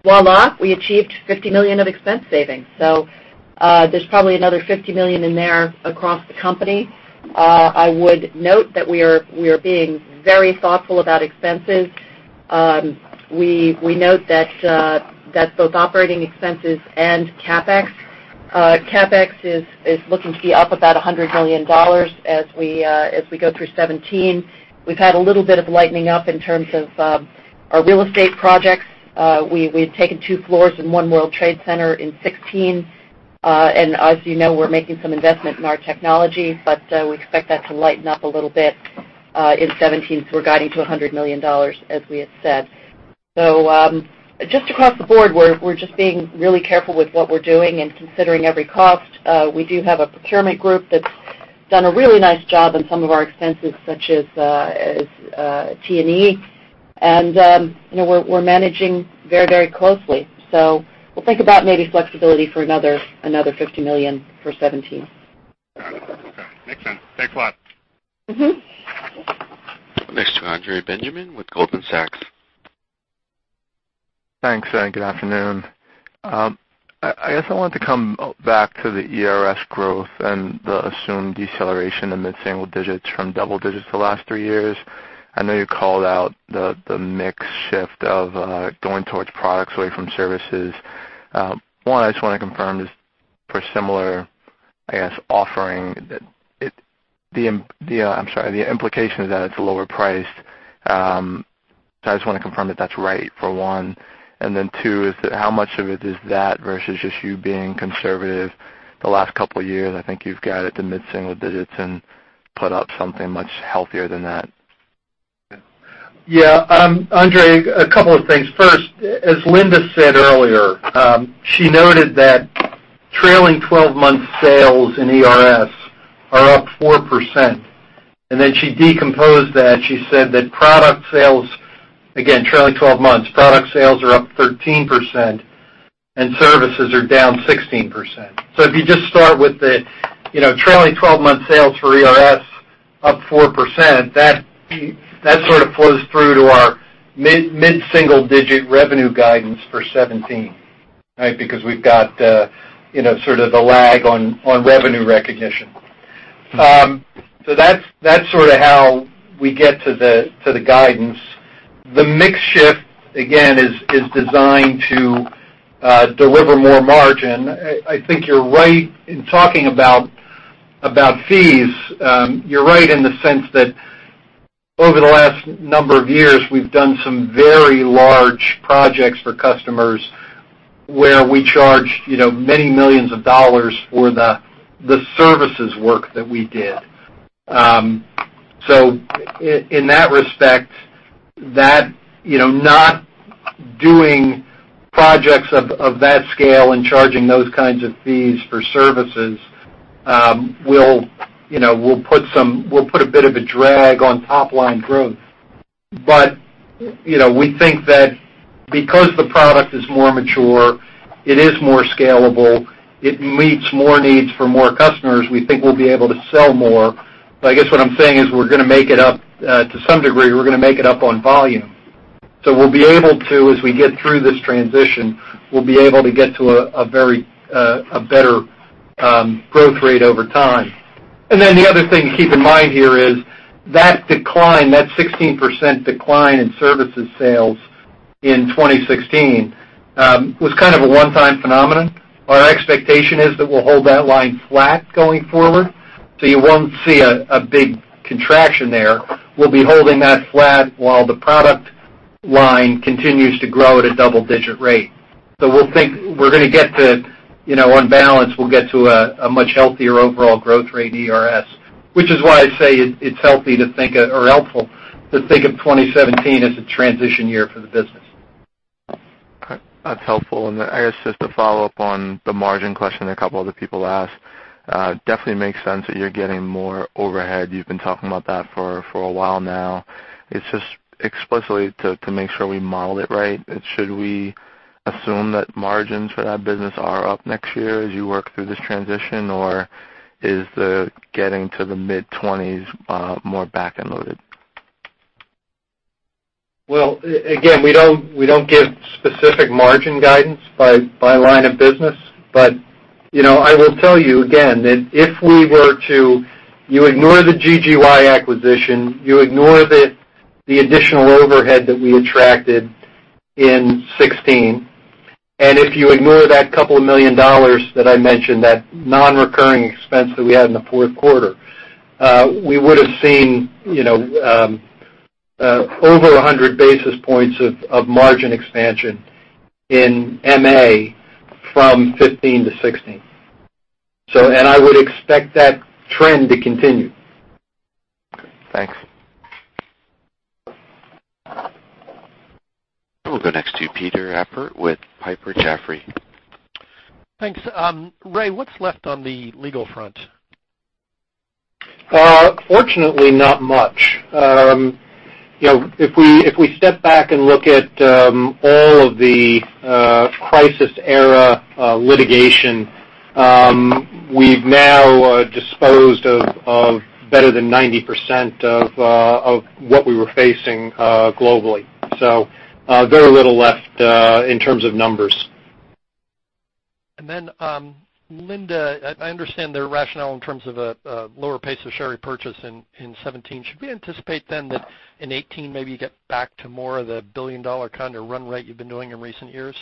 voila, we achieved $50 million of expense savings. There's probably another $50 million in there across the company. I would note that we are being very thoughtful about expenses. We note that both operating expenses and CapEx. CapEx is looking to be up about $100 million as we go through 2017. We've had a little bit of lightening up in terms of our real estate projects. We had taken two floors in One World Trade Center in 2016. As you know, we're making some investment in our technology, we expect that to lighten up a little bit in 2017, we're guiding to $100 million, as we had said. Just across the board, we're just being really careful with what we're doing and considering every cost. We do have a procurement group that's done a really nice job on some of our expenses, such as T&E, we're managing very closely. We'll think about maybe flexibility for another $50 million for 2017. Got it. Okay. Makes sense. Thanks a lot. Next to Andrew Benjamin with Goldman Sachs. Thanks. Good afternoon. I guess I wanted to come back to the ERS growth and the assumed deceleration in mid-single digits from double digits the last three years. I know you called out the mix shift of going towards products away from services. One, I just want to confirm, just for similar offering, the implication is that it's lower priced. I just want to confirm that that's right, for one. Then two is how much of it is that versus just you being conservative the last couple of years? I think you've guided the mid-single digits, and put up something much healthier than that. Yeah. Andrew, a couple of things. First, as Linda said earlier, she noted that trailing 12-month sales in ERS are up 4%, then she decomposed that. She said that product sales, again, trailing 12 months, product sales are up 13% and services are down 16%. If you just start with the trailing 12-month sales for ERS up 4%, that sort of flows through to our mid-single digit revenue guidance for 2017, right? Because we've got sort of the lag on revenue recognition. That's sort of how we get to the guidance. The mix shift, again, is designed to deliver more margin. I think you're right in talking about fees. You're right in the sense that over the last number of years, we've done some very large projects for customers where we charged many millions of dollars for the services work that we did. In that respect, not doing projects of that scale and charging those kinds of fees for services will put a bit of a drag on top-line growth. We think that because the product is more mature, it is more scalable, it meets more needs for more customers, we think we'll be able to sell more. I guess what I'm saying is we're going to make it up to some degree, we're going to make it up on volume. We'll be able to, as we get through this transition, we'll be able to get to a better growth rate over time. Then the other thing to keep in mind here is that decline, that 16% decline in services sales in 2016, was kind of a one-time phenomenon. Our expectation is that we'll hold that line flat going forward. You won't see a big contraction there. We'll be holding that flat while the product line continues to grow at a double-digit rate. We think we're going to get to, on balance, we'll get to a much healthier overall growth rate in ERS, which is why I say it's healthy to think of, or helpful to think of 2017 as a transition year for the business. Okay. That's helpful. I guess just to follow up on the margin question a couple other people asked. Definitely makes sense that you're getting more overhead. You've been talking about that for a while now. It's just explicitly to make sure we modeled it right. Should we assume that margins for that business are up next year as you work through this transition, or is the getting to the mid-20s more back-end loaded? Well, again, we don't give specific margin guidance by line of business. I will tell you again, that if you ignore the GGY acquisition, you ignore the additional overhead that we attracted in 2016, and if you ignore that couple of million dollars that I mentioned, that non-recurring expense that we had in the fourth quarter, we would've seen over 100 basis points of margin expansion in MA from 2015 to 2016. I would expect that trend to continue. Okay, thanks. We'll go next to Peter Appert with Piper Jaffray. Thanks. Ray, what's left on the legal front? Fortunately, not much. If we step back and look at all of the crisis-era litigation, we've now disposed of better than 90% of what we were facing globally. Very little left in terms of numbers. Linda, I understand their rationale in terms of a lower pace of share repurchase in 2017. Should we anticipate then that in 2018, maybe you get back to more of the billion-dollar kind of run rate you've been doing in recent years?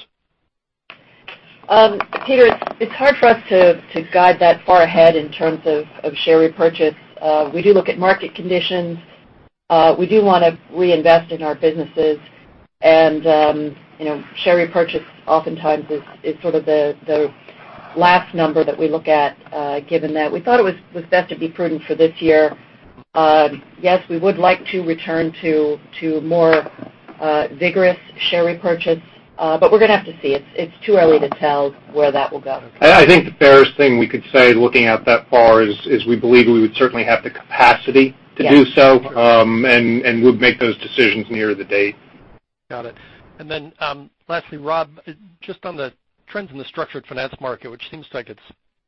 Peter, it's hard for us to guide that far ahead in terms of share repurchase. We do look at market conditions. We do want to reinvest in our businesses, and share repurchase oftentimes is sort of the last number that we look at given that we thought it was best to be prudent for this year. Yes, we would like to return to more vigorous share repurchase, we're going to have to see. It's too early to tell where that will go. I think the fairest thing we could say looking out that far is we believe we would certainly have the capacity to do so. Yes Would make those decisions near the date. Got it. Then lastly, Rob, just on the trends in the structured finance market, which seems like it's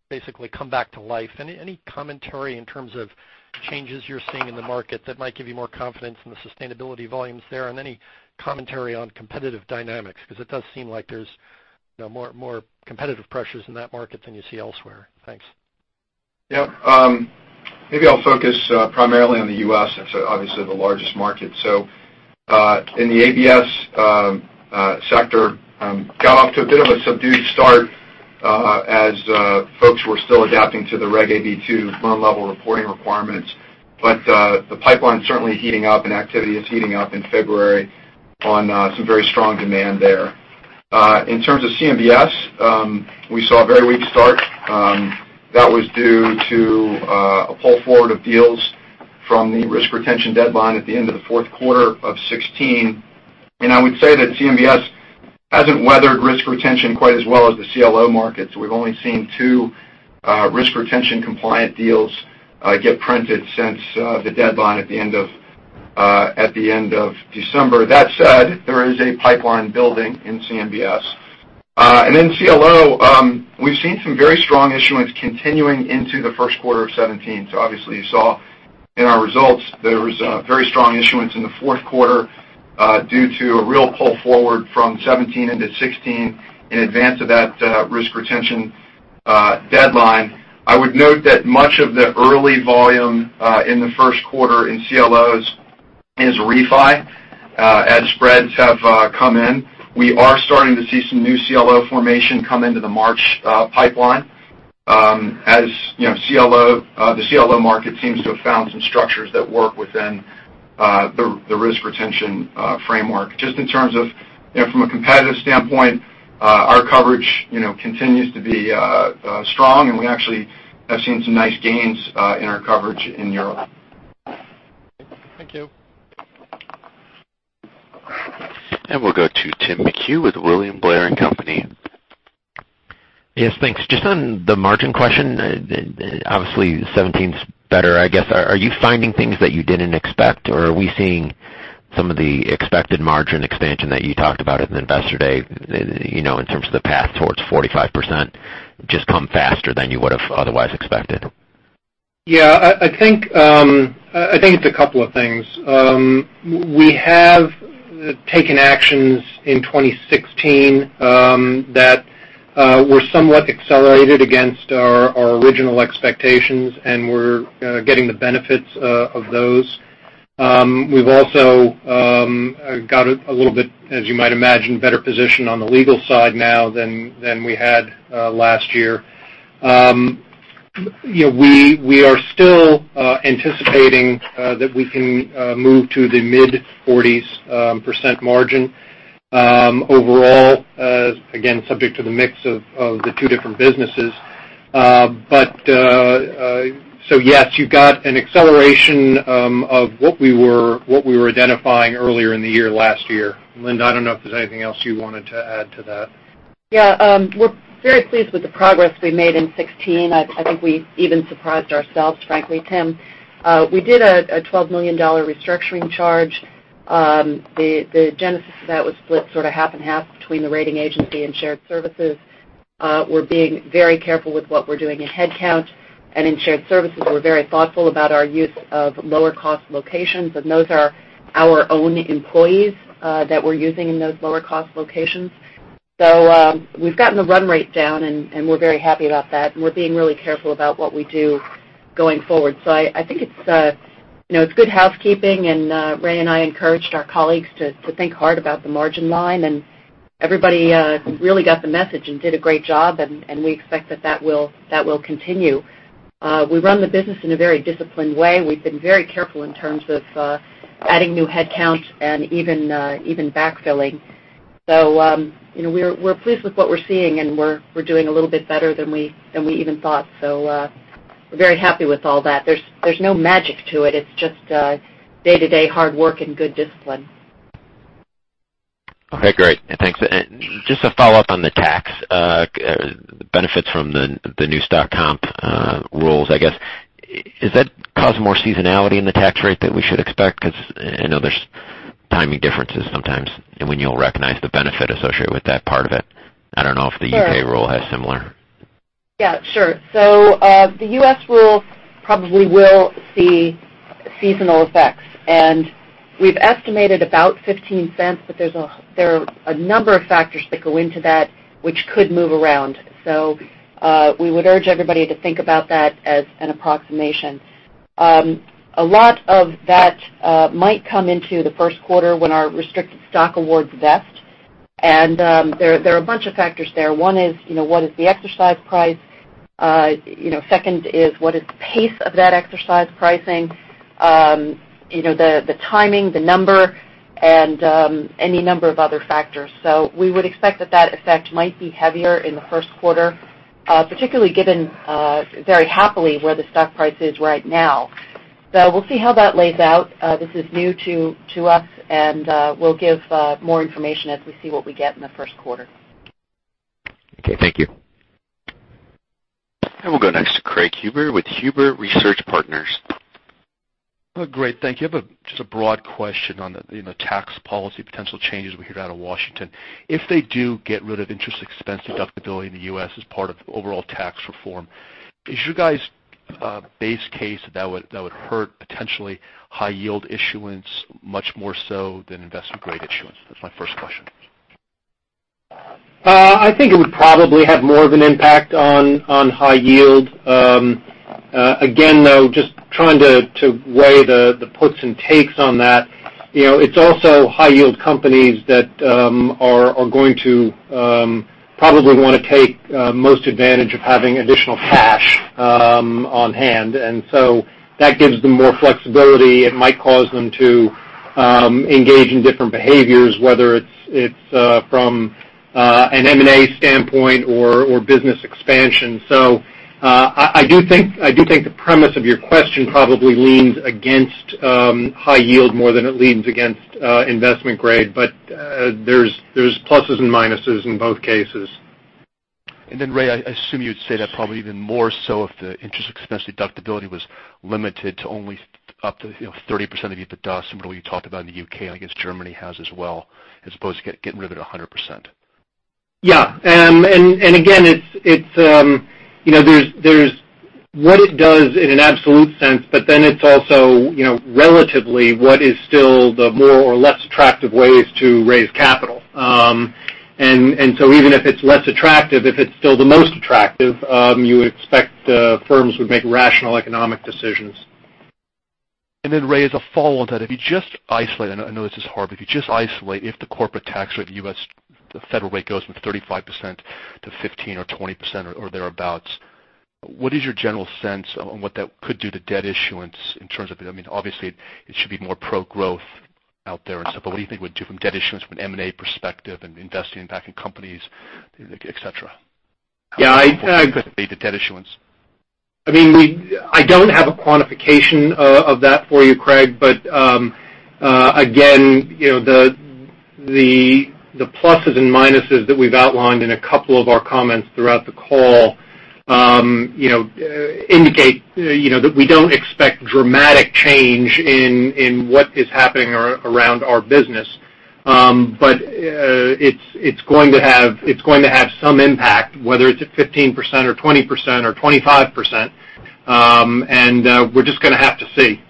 basically come back to life. Any commentary in terms of changes you're seeing in the market that might give you more confidence in the sustainability volumes there? Any commentary on competitive dynamics, because it does seem like there's more competitive pressures in that market than you see elsewhere. Thanks. Yeah. Maybe I'll focus primarily on the U.S. It's obviously the largest market. In the ABS sector, got off to a bit of a subdued start as folks were still adapting to the Reg AB II loan level reporting requirements. The pipeline's certainly heating up and activity is heating up in February on some very strong demand there. In terms of CMBS, we saw a very weak start that was due to a pull forward of deals from the risk retention deadline at the end of the fourth quarter of 2016. I would say that CMBS hasn't weathered risk retention quite as well as the CLO market. We've only seen two risk retention compliant deals get printed since the deadline at the end of December. That said, there is a pipeline building in CMBS. In CLO, we've seen some very strong issuance continuing into the first quarter of 2017. Obviously you saw in our results there was a very strong issuance in the fourth quarter due to a real pull forward from 2017 into 2016 in advance of that risk retention deadline. I would note that much of the early volume in the first quarter in CLOs is refi. As spreads have come in, we are starting to see some new CLO formation come into the March pipeline. As the CLO market seems to have found some structures that work within the risk retention framework. Just in terms of from a competitive standpoint, our coverage continues to be strong, we actually have seen some nice gains in our coverage in Europe. Thank you. We'll go to Timothy McHugh with William Blair & Company. Yes, thanks. Just on the margin question, obviously 2017's better, I guess. Are you finding things that you didn't expect, or are we seeing some of the expected margin expansion that you talked about at the Investor Day in terms of the path towards 45%, just come faster than you would have otherwise expected? Yeah. I think it's a couple of things. We have taken actions in 2016 that were somewhat accelerated against our original expectations, and we're getting the benefits of those. We've also got a little bit, as you might imagine, better position on the legal side now than we had last year. We are still anticipating that we can move to the mid-40s % margin overall, again, subject to the mix of the two different businesses. Yes, you've got an acceleration of what we were identifying earlier in the year last year. Linda, I don't know if there's anything else you wanted to add to that. Yeah. We're very pleased with the progress we made in 2016. I think we even surprised ourselves, frankly, Tim. We did a $12 million restructuring charge. The genesis of that was split sort of half and half between the rating agency and shared services. We're being very careful with what we're doing in headcount, and in shared services we're very thoughtful about our use of lower cost locations, and those are our own employees that we're using in those lower cost locations. We've gotten the run rate down, and we're very happy about that, and we're being really careful about what we do going forward. I think it's good housekeeping, and Ray and I encouraged our colleagues to think hard about the margin line, and everybody really got the message and did a great job, and we expect that will continue. We run the business in a very disciplined way. We've been very careful in terms of adding new headcounts and even backfilling. We're pleased with what we're seeing, and we're doing a little bit better than we even thought. We're very happy with all that. There's no magic to it. It's just day-to-day hard work and good discipline. Okay, great. Thanks. Just a follow-up on the tax benefits from the new stock comp rules, I guess. Is that causing more seasonality in the tax rate than we should expect? Because I know there's timing differences sometimes and when you'll recognize the benefit associated with that part of it. I don't know if the U.K. rule has similar. Yeah, sure. The U.S. rule probably will see seasonal effects, and we've estimated about $0.15, but there are a number of factors that go into that which could move around. We would urge everybody to think about that as an approximation. A lot of that might come into the first quarter when our restricted stock awards vest, and there are a bunch of factors there. One is, what is the exercise price? Second is, what is the pace of that exercise pricing? The timing, the number, and any number of other factors. We would expect that effect might be heavier in the first quarter, particularly given very happily where the stock price is right now. We'll see how that lays out. This is new to us, and we'll give more information as we see what we get in the first quarter. Okay, thank you. We'll go next to Craig Huber with Huber Research Partners. Great. Thank you. Just a broad question on the tax policy potential changes we hear out of Washington. If they do get rid of interest expense deductibility in the U.S. as part of overall tax reform, is you guys' base case that would hurt potentially high yield issuance much more so than investment grade issuance? That's my first question. I think it would probably have more of an impact on high yield. Again, though, just trying to weigh the puts and takes on that. It's also high yield companies that are going to Probably want to take most advantage of having additional cash on hand. That gives them more flexibility. It might cause them to engage in different behaviors, whether it's from an M&A standpoint or business expansion. I do think the premise of your question probably leans against high yield more than it leans against investment grade. There's pluses and minuses in both cases. Ray, I assume you'd say that probably even more so if the interest expense deductibility was limited to only up to 30% of EBITDA, similar to what you talked about in the U.K., and I guess Germany has as well, as opposed to getting rid of it 100%. Yeah. There's what it does in an absolute sense, it's also relatively what is still the more or less attractive ways to raise capital. Even if it's less attractive, if it's still the most attractive, you would expect firms would make rational economic decisions. Ray, as a follow-on to that, if you just isolate, I know this is hard, if you just isolate if the corporate tax rate, U.S. federal rate, goes from 35% to 15% or 20% or thereabouts, what is your general sense on what that could do to debt issuance in terms of, obviously it should be more pro-growth out there and stuff, what do you think it would do from debt issuance from an M&A perspective and investing back in companies, et cetera? Yeah. What do you think it could be to debt issuance? I don't have a quantification of that for you, Craig, again, the pluses and minuses that we've outlined in a couple of our comments throughout the call indicate that we don't expect dramatic change in what is happening around our business. It's going to have some impact, whether it's at 15% or 20% or 25%, and we're just going to have to see.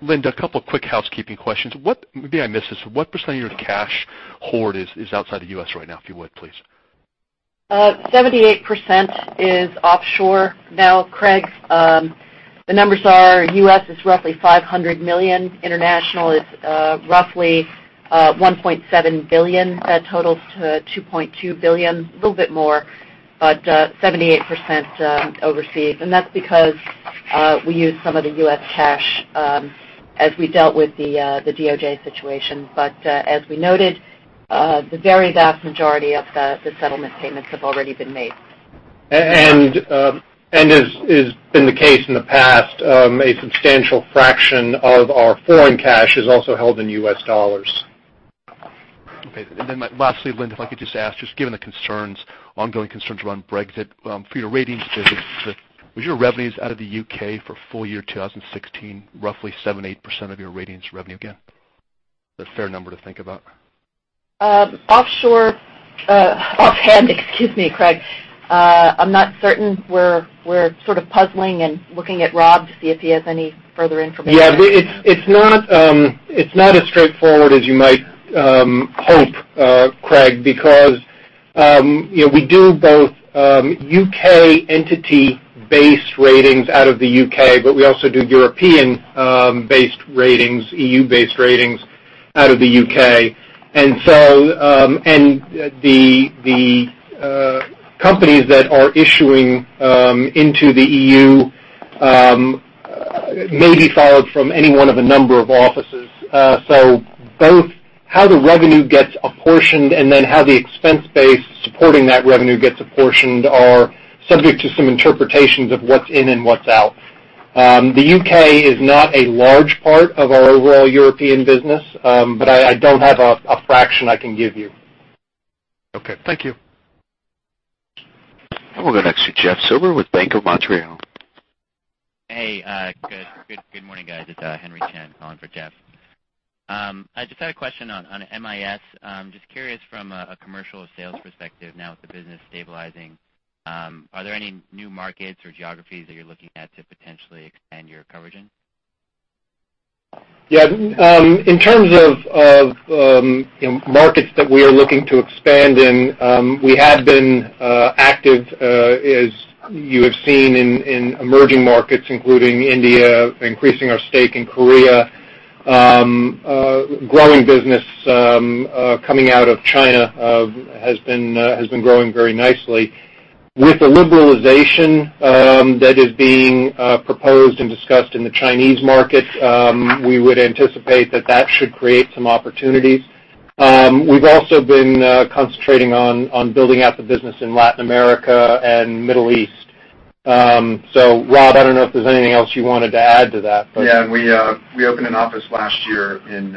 Linda, a couple quick housekeeping questions. Maybe I missed this. What percentage of your cash hoard is outside the U.S. right now, if you would, please? 78% is offshore now, Craig. The numbers are U.S. is roughly $500 million. International is roughly $1.7 billion. That totals to $2.2 billion. A little bit more, 78% overseas. That's because we used some of the U.S. cash as we dealt with the DOJ situation. As we noted, the very vast majority of the settlement payments have already been made. As has been the case in the past, a substantial fraction of our foreign cash is also held in U.S. dollars. Okay. Lastly, Linda, if I could just ask, just given the ongoing concerns around Brexit, for your ratings business, was your revenues out of the U.K. for full year 2016 roughly 7%-8% of your ratings revenue again? Is that a fair number to think about? Offhand, excuse me, Craig. I'm not certain. We're puzzling and looking at Rob to see if he has any further information. Yeah. It's not as straightforward as you might hope, Craig, because we do both U.K. entity-based ratings out of the U.K., but we also do European-based ratings, EU-based ratings out of the U.K. The companies that are issuing into the EU may be followed from any one of a number of offices. Both how the revenue gets apportioned and then how the expense base supporting that revenue gets apportioned are subject to some interpretations of what's in and what's out. The U.K. is not a large part of our overall European business, but I don't have a fraction I can give you. Okay. Thank you. We'll go next to Jeff Silber with Bank of Montreal. Hey, good morning, guys. It's Henry Chen calling for Jeff. I just had a question on MIS. Just curious from a commercial sales perspective now with the business stabilizing, are there any new markets or geographies that you're looking at to potentially expand your coverage in? Yeah. In terms of markets that we are looking to expand in, we have been active, as you have seen, in emerging markets, including India, increasing our stake in Korea. Growing business coming out of China has been growing very nicely. With the liberalization that is being proposed and discussed in the Chinese market, we would anticipate that that should create some opportunities. We've also been concentrating on building out the business in Latin America and Middle East. Rob, I don't know if there's anything else you wanted to add to that. Yeah. We opened an office last year in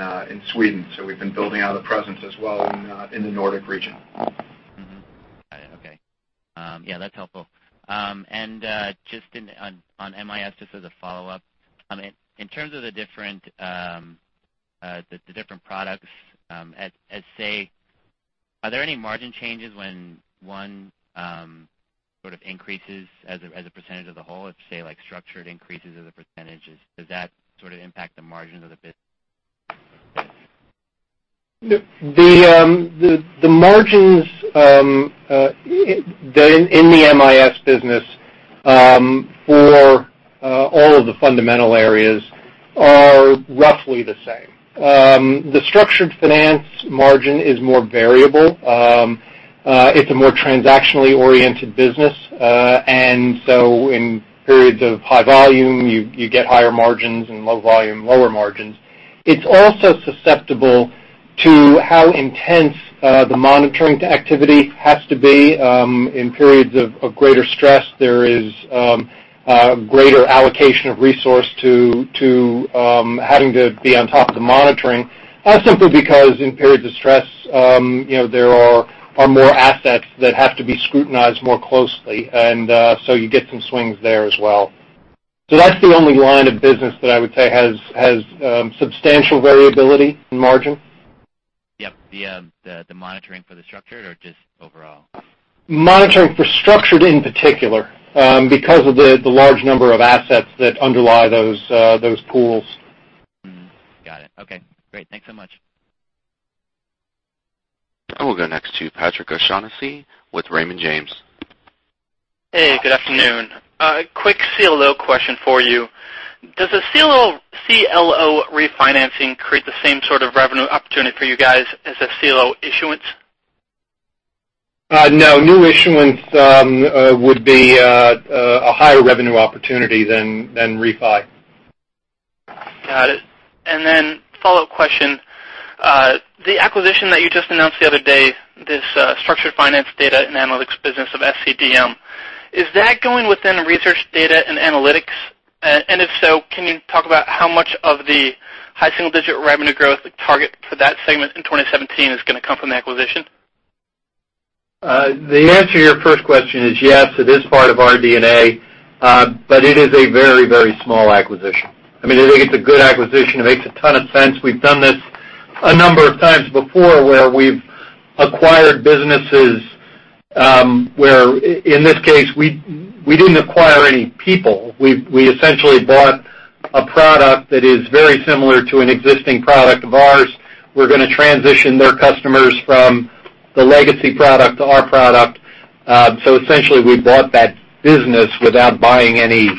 Sweden, so we've been building out a presence as well in the Nordic region. Got it. Okay. Yeah, that's helpful. Just on MIS, just as a follow-up. In terms of the different products, are there any margin changes when one sort of increases as a percentage of the whole? If, say, structured increases as a percentage, does that sort of impact the margins of the business? The margins in the MIS business for all of the fundamental areas are roughly the same. The structured finance margin is more variable. It's a more transactionally-oriented business. In periods of high volume, you get higher margins, and low volume, lower margins. It's also susceptible to how intense the monitoring activity has to be. In periods of greater stress, there is greater allocation of resource to having to be on top of the monitoring, simply because in periods of stress there are more assets that have to be scrutinized more closely, and so you get some swings there as well. That's the only line of business that I would say has substantial variability in margin. Yep. The monitoring for the structured or just overall? Monitoring for structured in particular, because of the large number of assets that underlie those pools. Got it. Okay, great. Thanks so much. I will go next to Patrick O'Shaughnessy with Raymond James. Hey, good afternoon. Quick CLO question for you. Does a CLO refinancing create the same sort of revenue opportunity for you guys as a CLO issuance? No. New issuance would be a higher revenue opportunity than refi. Got it. Then follow-up question. The acquisition that you just announced the other day, this structured finance data and analytics business of SCDM, is that going within Research, Data and Analytics? If so, can you talk about how much of the high single-digit revenue growth target for that segment in 2017 is going to come from the acquisition? The answer to your first question is yes, it is part of RD&A, it is a very, very small acquisition. I think it's a good acquisition. It makes a ton of sense. We've done this a number of times before where we've acquired businesses, where in this case, we didn't acquire any people. We essentially bought a product that is very similar to an existing product of ours. We're going to transition their customers from the legacy product to our product. Essentially we bought that business without buying any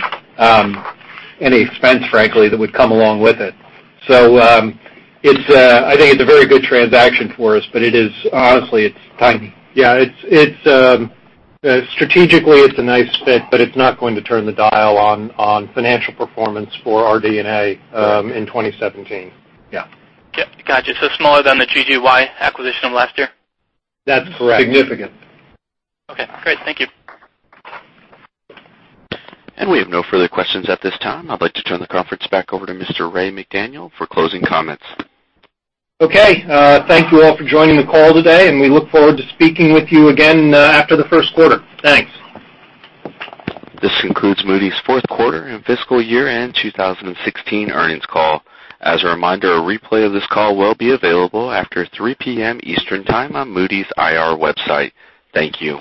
expense, frankly, that would come along with it. I think it's a very good transaction for us, honestly, it's tiny. Strategically it's a nice fit, it's not going to turn the dial on financial performance for RD&A in 2017. Yeah. Yep. Got you. Smaller than the GGY acquisition of last year? That's correct. Significant. Okay, great. Thank you. We have no further questions at this time. I'd like to turn the conference back over to Mr. Ray McDaniel for closing comments. Okay. Thank you all for joining the call today, and we look forward to speaking with you again after the first quarter. Thanks. This concludes Moody's fourth quarter and fiscal year-end 2016 earnings call. As a reminder, a replay of this call will be available after 3:00 P.M. Eastern Time on Moody's IR website. Thank you.